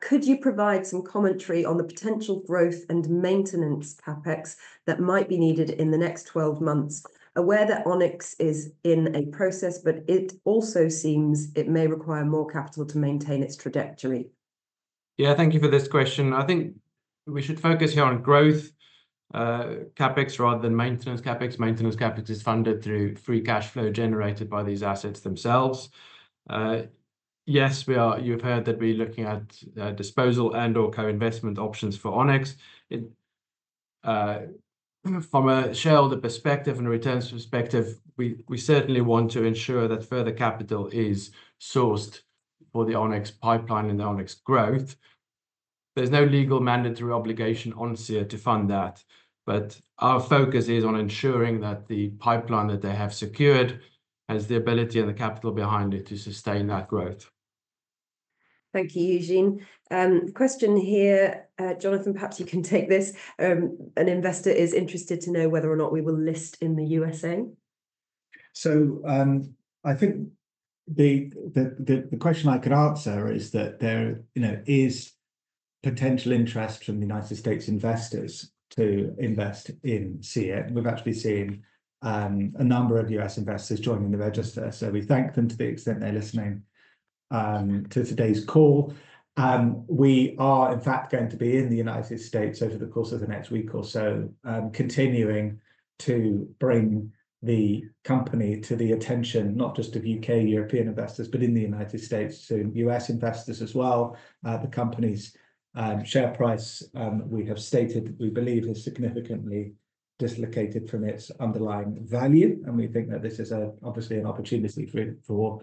A: could you provide some commentary on the potential growth and maintenance CapEx that might be needed in the next 12 months? Aware that Onyx is in a process, but it also seems it may require more capital to maintain its trajectory.
E: Yeah, thank you for this question. I think we should focus here on growth CapEx rather than maintenance CapEx. Maintenance CapEx is funded through free cash flow generated by these assets themselves. Yes, we are. You've heard that we're looking at disposal and/or co-investment options for Onyx. From a shareholder perspective and a returns perspective, we certainly want to ensure that further capital is sourced for the Onyx pipeline and the Onyx growth. There's no legal mandatory obligation on SEEIT to fund that. But our focus is on ensuring that the pipeline that they have secured has the ability and the capital behind it to sustain that growth.
A: Thank you, Eugene. Question here, Jonathan, perhaps you can take this. An investor is interested to know whether or not we will list in the U.S.A.
D: I think the question I could answer is that there, you know, is potential interest from the United States investors to invest in SEEIT. We've actually seen a number of U.S. investors joining the register. We thank them to the extent they're listening to today's call. We are, in fact, going to be in the United States over the course of the next week or so, continuing to bring the company to the attention not just of U.K. European investors, but in the United States, soon U.S. investors as well. The company's share price we have stated that we believe has significantly dislocated from its underlying value. We think that this is obviously an opportunity for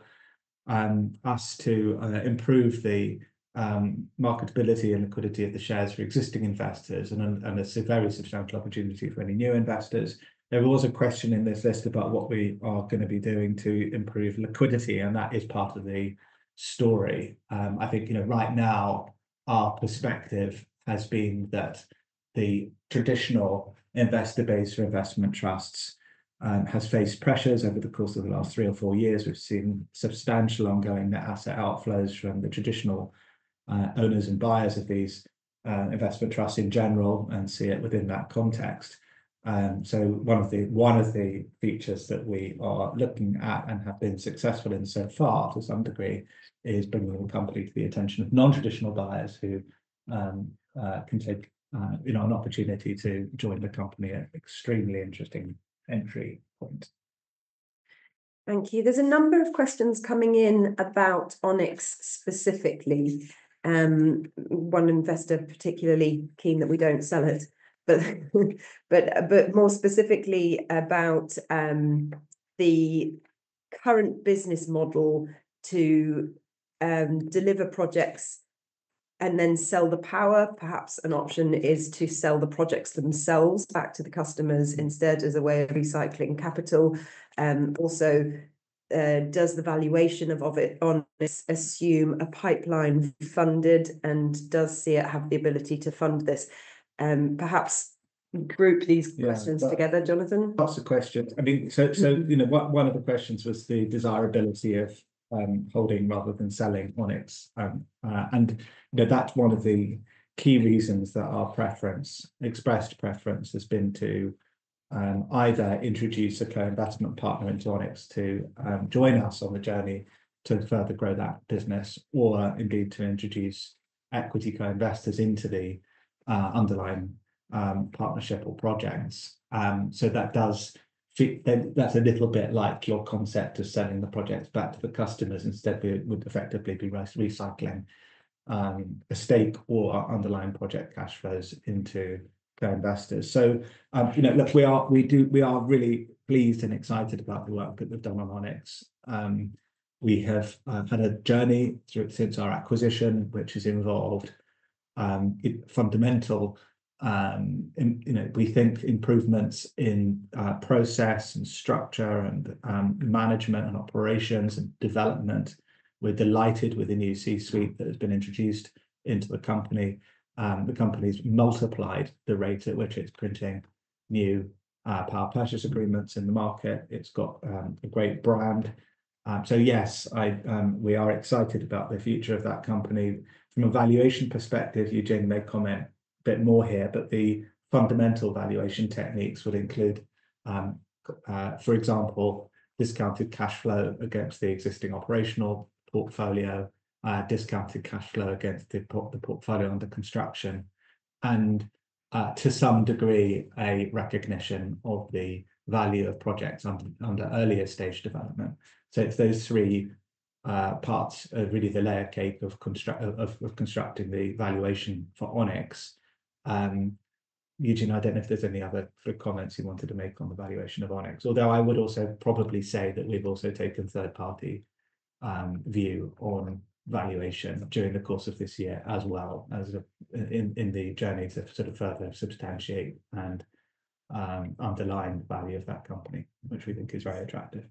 D: us to improve the marketability and liquidity of the shares for existing investors. It's a very substantial opportunity for any new investors. There was a question in this list about what we are going to be doing to improve liquidity. And that is part of the story. I think, you know, right now, our perspective has been that the traditional investor base for investment trusts has faced pressures over the course of the last three or four years. We've seen substantial ongoing asset outflows from the traditional owners and buyers of these investment trusts in general and SEEIT within that context. So, one of the features that we are looking at and have been successful in so far to some degree is bringing the company to the attention of non-traditional buyers who can take, you know, an opportunity to join the company. An extremely interesting entry point.
A: Thank you. There's a number of questions coming in about Onyx specifically. One investor particularly keen that we don't sell it, but more specifically about the current business model to deliver projects and then sell the power. Perhaps an option is to sell the projects themselves back to the customers instead as a way of recycling capital. Also, does the valuation of Onyx assume a pipeline funded and does SEEIT have the ability to fund this? Perhaps group these questions together, Jonathan.
D: Lots of questions. I mean, so, you know, one of the questions was the desirability of holding rather than selling Onyx. And, you know, that's one of the key reasons that our preference, expressed preference, has been to either introduce a co-investment partner into Onyx to join us on the journey to further grow that business, or indeed to introduce equity co-investors into the underlying partnership or projects. So, that does fit. That's a little bit like your concept of selling the projects back to the customers instead would effectively be recycling a stake or underlying project cash flows into co-investors. So, you know, look, we are really pleased and excited about the work that we've done on Onyx. We have had a journey through it since our acquisition, which has involved fundamental, you know, we think improvements in process and structure and management and operations and development. We're delighted with the new C-suite that has been introduced into the company. The company's multiplied the rate at which it's printing new power purchase agreements in the market. It's got a great brand. So, yes, we are excited about the future of that company. From a valuation perspective, Eugene may comment a bit more here, but the fundamental valuation techniques would include, for example, discounted cash flow against the existing operational portfolio, discounted cash flow against the portfolio under construction, and to some degree, a recognition of the value of projects under earlier stage development. It's those three parts of really the layer cake of constructing the valuation for Onyx. Eugene, I don't know if there's any other comments you wanted to make on the valuation of Onyx, although I would also probably say that we've also taken a third-party view on valuation during the course of this year as well as in the journey to sort of further substantiate and underline the value of that company, which we think is very attractive.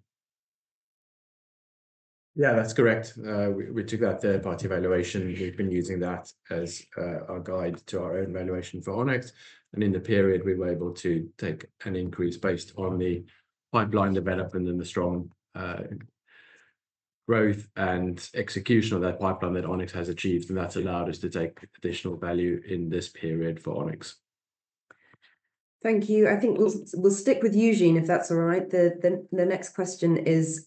E: Yeah, that's correct. We took that third-party valuation. We've been using that as our guide to our own valuation for Onyx. And in the period, we were able to take an increase based on the pipeline development and the strong growth and execution of that pipeline that Onyx has achieved. And that's allowed us to take additional value in this period for Onyx.
A: Thank you. I think we'll stick with Eugene, if that's all right. The next question is,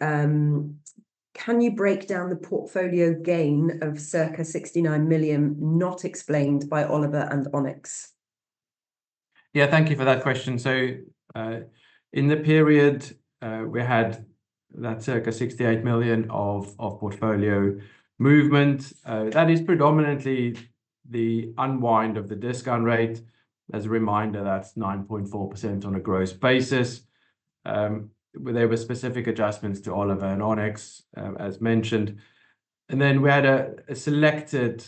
A: can you break down the portfolio gain of circa 69 million not explained by Oliva and Onyx?
E: Yeah, thank you for that question. So, in the period, we had that circa 68 million of portfolio movement. That is predominantly the unwind of the discount rate. As a reminder, that's 9.4% on a gross basis. There were specific adjustments to Oliva and Onyx, as mentioned. We had a selected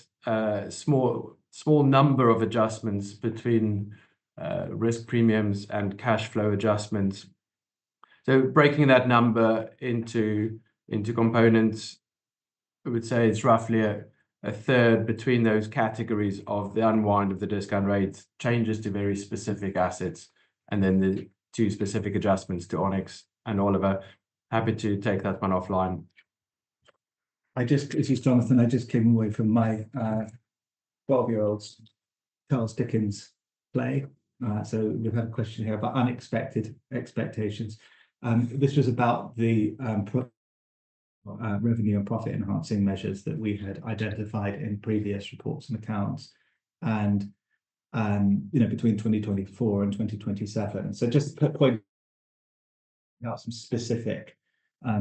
E: small number of adjustments between risk premiums and cash flow adjustments. So, breaking that number into components, I would say it's roughly a third between those categories of the unwind of the discount rates, changes to very specific assets, and then the two specific adjustments to Onyx. And Oliva, happy to take that one offline.
D: I just, this is Jonathan. I just came away from my 12-year-old's Charles Dickens play. So, we've had a question here about unexpected expectations. This was about the revenue and profit enhancing measures that we had identified in previous reports and accounts. And, you know, between 2024 and 2027. Just pointing out some specific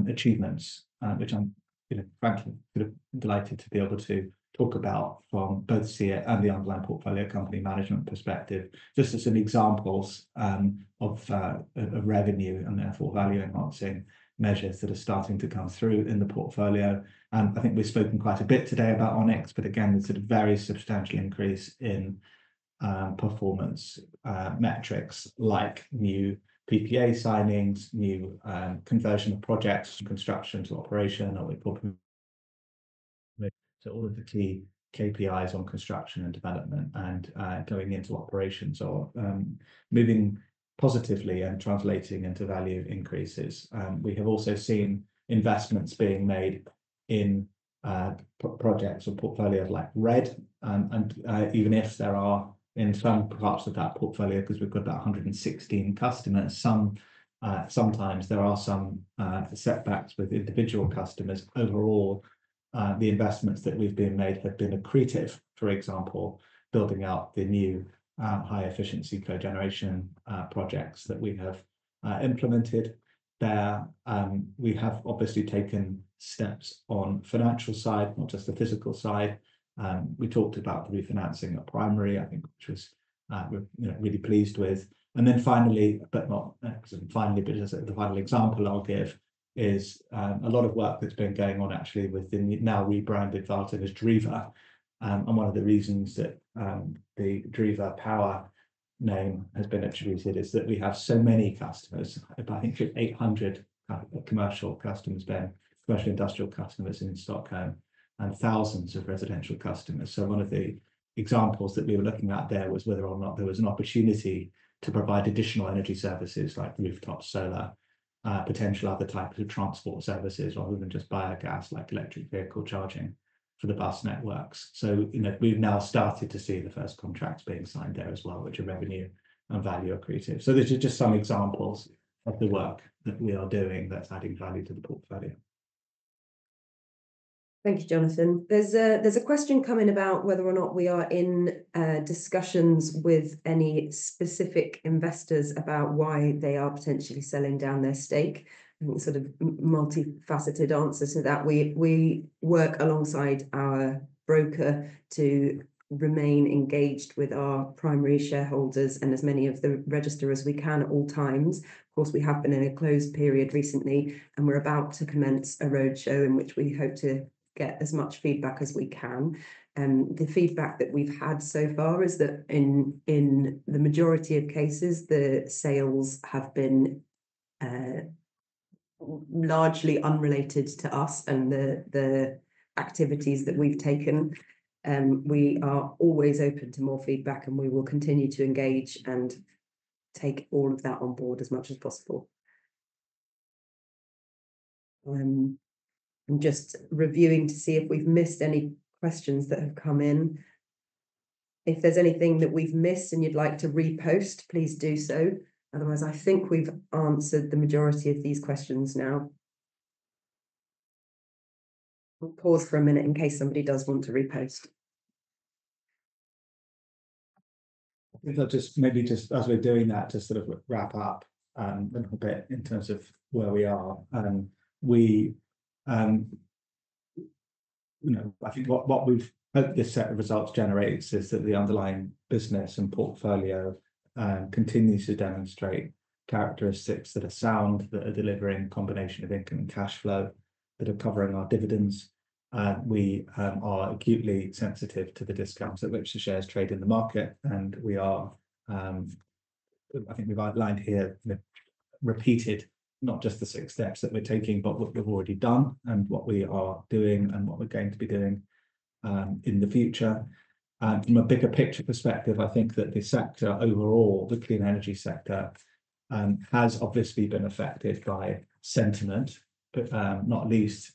D: achievements, which I'm, you know, frankly sort of delighted to be able to talk about from both SEEIT and the underlying portfolio company management perspective, just as an example of revenue and therefore value enhancing measures that are starting to come through in the portfolio. I think we've spoken quite a bit today about Onyx, but again, there's a very substantial increase in performance metrics like new PPA signings, new conversion of projects. Construction to operation, or we've brought them to all of the key KPIs on construction and development and going into operations or moving positively and translating into value increases. We have also seen investments being made in projects or portfolios like RED. Even if there are in some parts of that portfolio, because we've got about 116 customers, sometimes there are some setbacks with individual customers. Overall, the investments that we've been made have been accretive. For example, building out the new high-efficiency cogeneration projects that we have implemented there. We have obviously taken steps on the financial side, not just the physical side. We talked about the refinancing of Primary, I think, which was, you know, really pleased with. And then finally, but not finally, but the final example I'll give is a lot of work that's been going on actually with the now rebranded Värtan with Driva. And one of the reasons that the Driva power name has been attributed is that we have so many customers, about 800 commercial customers then, commercial industrial customers in Stockholm and thousands of residential customers. One of the examples that we were looking at there was whether or not there was an opportunity to provide additional energy services like rooftop solar, potential other types of transport services rather than just biogas like electric vehicle charging for the bus networks. So, you know, we've now started to see the first contracts being signed there as well, which are revenue and value accretive. So, these are just some examples of the work that we are doing that's adding value to the portfolio.
A: Thank you, Jonathan. There's a question coming about whether or not we are in discussions with any specific investors about why they are potentially selling down their stake. I think sort of multifaceted answer to that. We work alongside our broker to remain engaged with our primary shareholders and as many of the register as we can at all times. Of course, we have been in a closed period recently, and we're about to commence a roadshow in which we hope to get as much feedback as we can. The feedback that we've had so far is that in the majority of cases, the sales have been largely unrelated to us and the activities that we've taken. We are always open to more feedback, and we will continue to engage and take all of that on board as much as possible. I'm just reviewing to see if we've missed any questions that have come in. If there's anything that we've missed and you'd like to repost, please do so. Otherwise, I think we've answered the majority of these questions now. We'll pause for a minute in case somebody does want to repost.
D: I think I'll just maybe just as we're doing that, just sort of wrap up a little bit in terms of where we are. We, you know, I think what we've hoped this set of results generates is that the underlying business and portfolio continues to demonstrate characteristics that are sound, that are delivering a combination of income and cash flow, that are covering our dividends. We are acutely sensitive to the discounts at which the shares trade in the market, and we are. I think we've outlined here, repeated not just the six steps that we're taking, but what we've already done and what we are doing and what we're going to be doing in the future. From a bigger picture perspective, I think that the sector overall, the clean energy sector, has obviously been affected by sentiment, but not least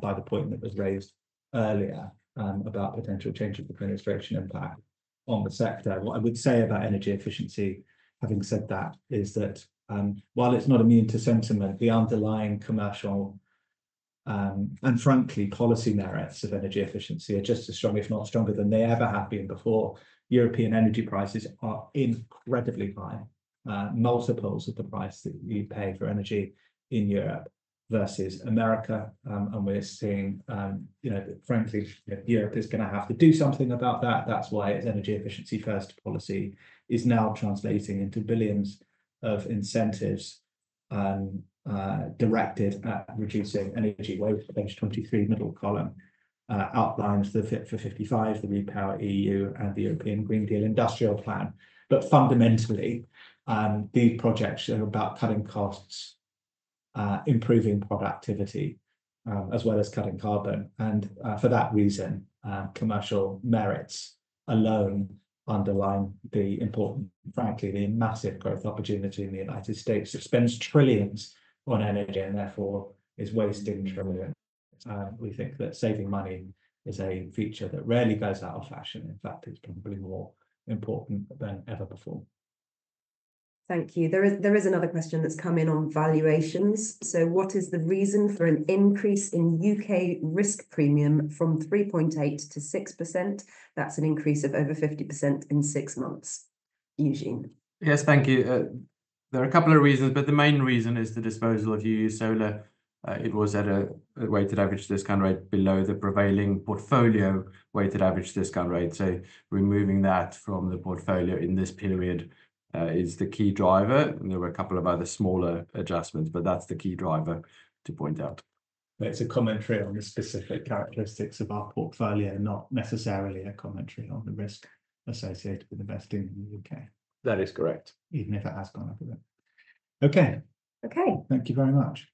D: by the point that was raised earlier about potential changes in administration impact on the sector. What I would say about energy efficiency, having said that, is that while it's not immune to sentiment, the underlying commercial and frankly policy merits of energy efficiency are just as strong, if not stronger than they ever have been before. European energy prices are incredibly high, multiples of the price that you pay for energy in Europe versus America. And we're seeing, you know, frankly, Europe is going to have to do something about that. That's why its energy efficiency first policy is now translating into billions of incentives directed at reducing energy waste. Page 23, middle column, outlines the Fit for 55, the REPowerEU and the European Green Deal Industrial Plan. But fundamentally, these projects are about cutting costs, improving productivity, as well as cutting carbon. And for that reason, commercial merits alone underline the important, frankly, the massive growth opportunity in the United States, which spends trillions on energy and therefore is wasting trillions. We think that saving money is a feature that rarely goes out of fashion. In fact, it's probably more important than ever before.
A: Thank you. There is another question that's come in on valuations. So, what is the reason for an increase in U.K. risk premium from 3.8% to 6%? That's an increase of over 50% in six months. Eugene.
E: Yes, thank you. There are a couple of reasons, but the main reason is the disposal of UU Solar. It was at a weighted average discount rate below the prevailing portfolio weighted average discount rate. So, removing that from the portfolio in this period is the key driver. There were a couple of other smaller adjustments, but that's the key driver to point out.
D: But it's a commentary on the specific characteristics of our portfolio, not necessarily a commentary on the risk associated with investing in the U.K.
E: That is correct.
D: Even if it has gone up a bit. Okay.
A: Okay.
D: Thank you very much.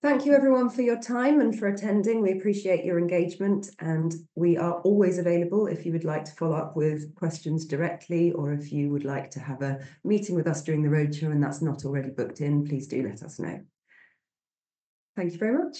A: Thank you, everyone, for your time and for attending. We appreciate your engagement, and we are always available if you would like to follow up with questions directly or if you would like to have a meeting with us during the roadshow and that's not already booked in, please do let us know. Thank you very much.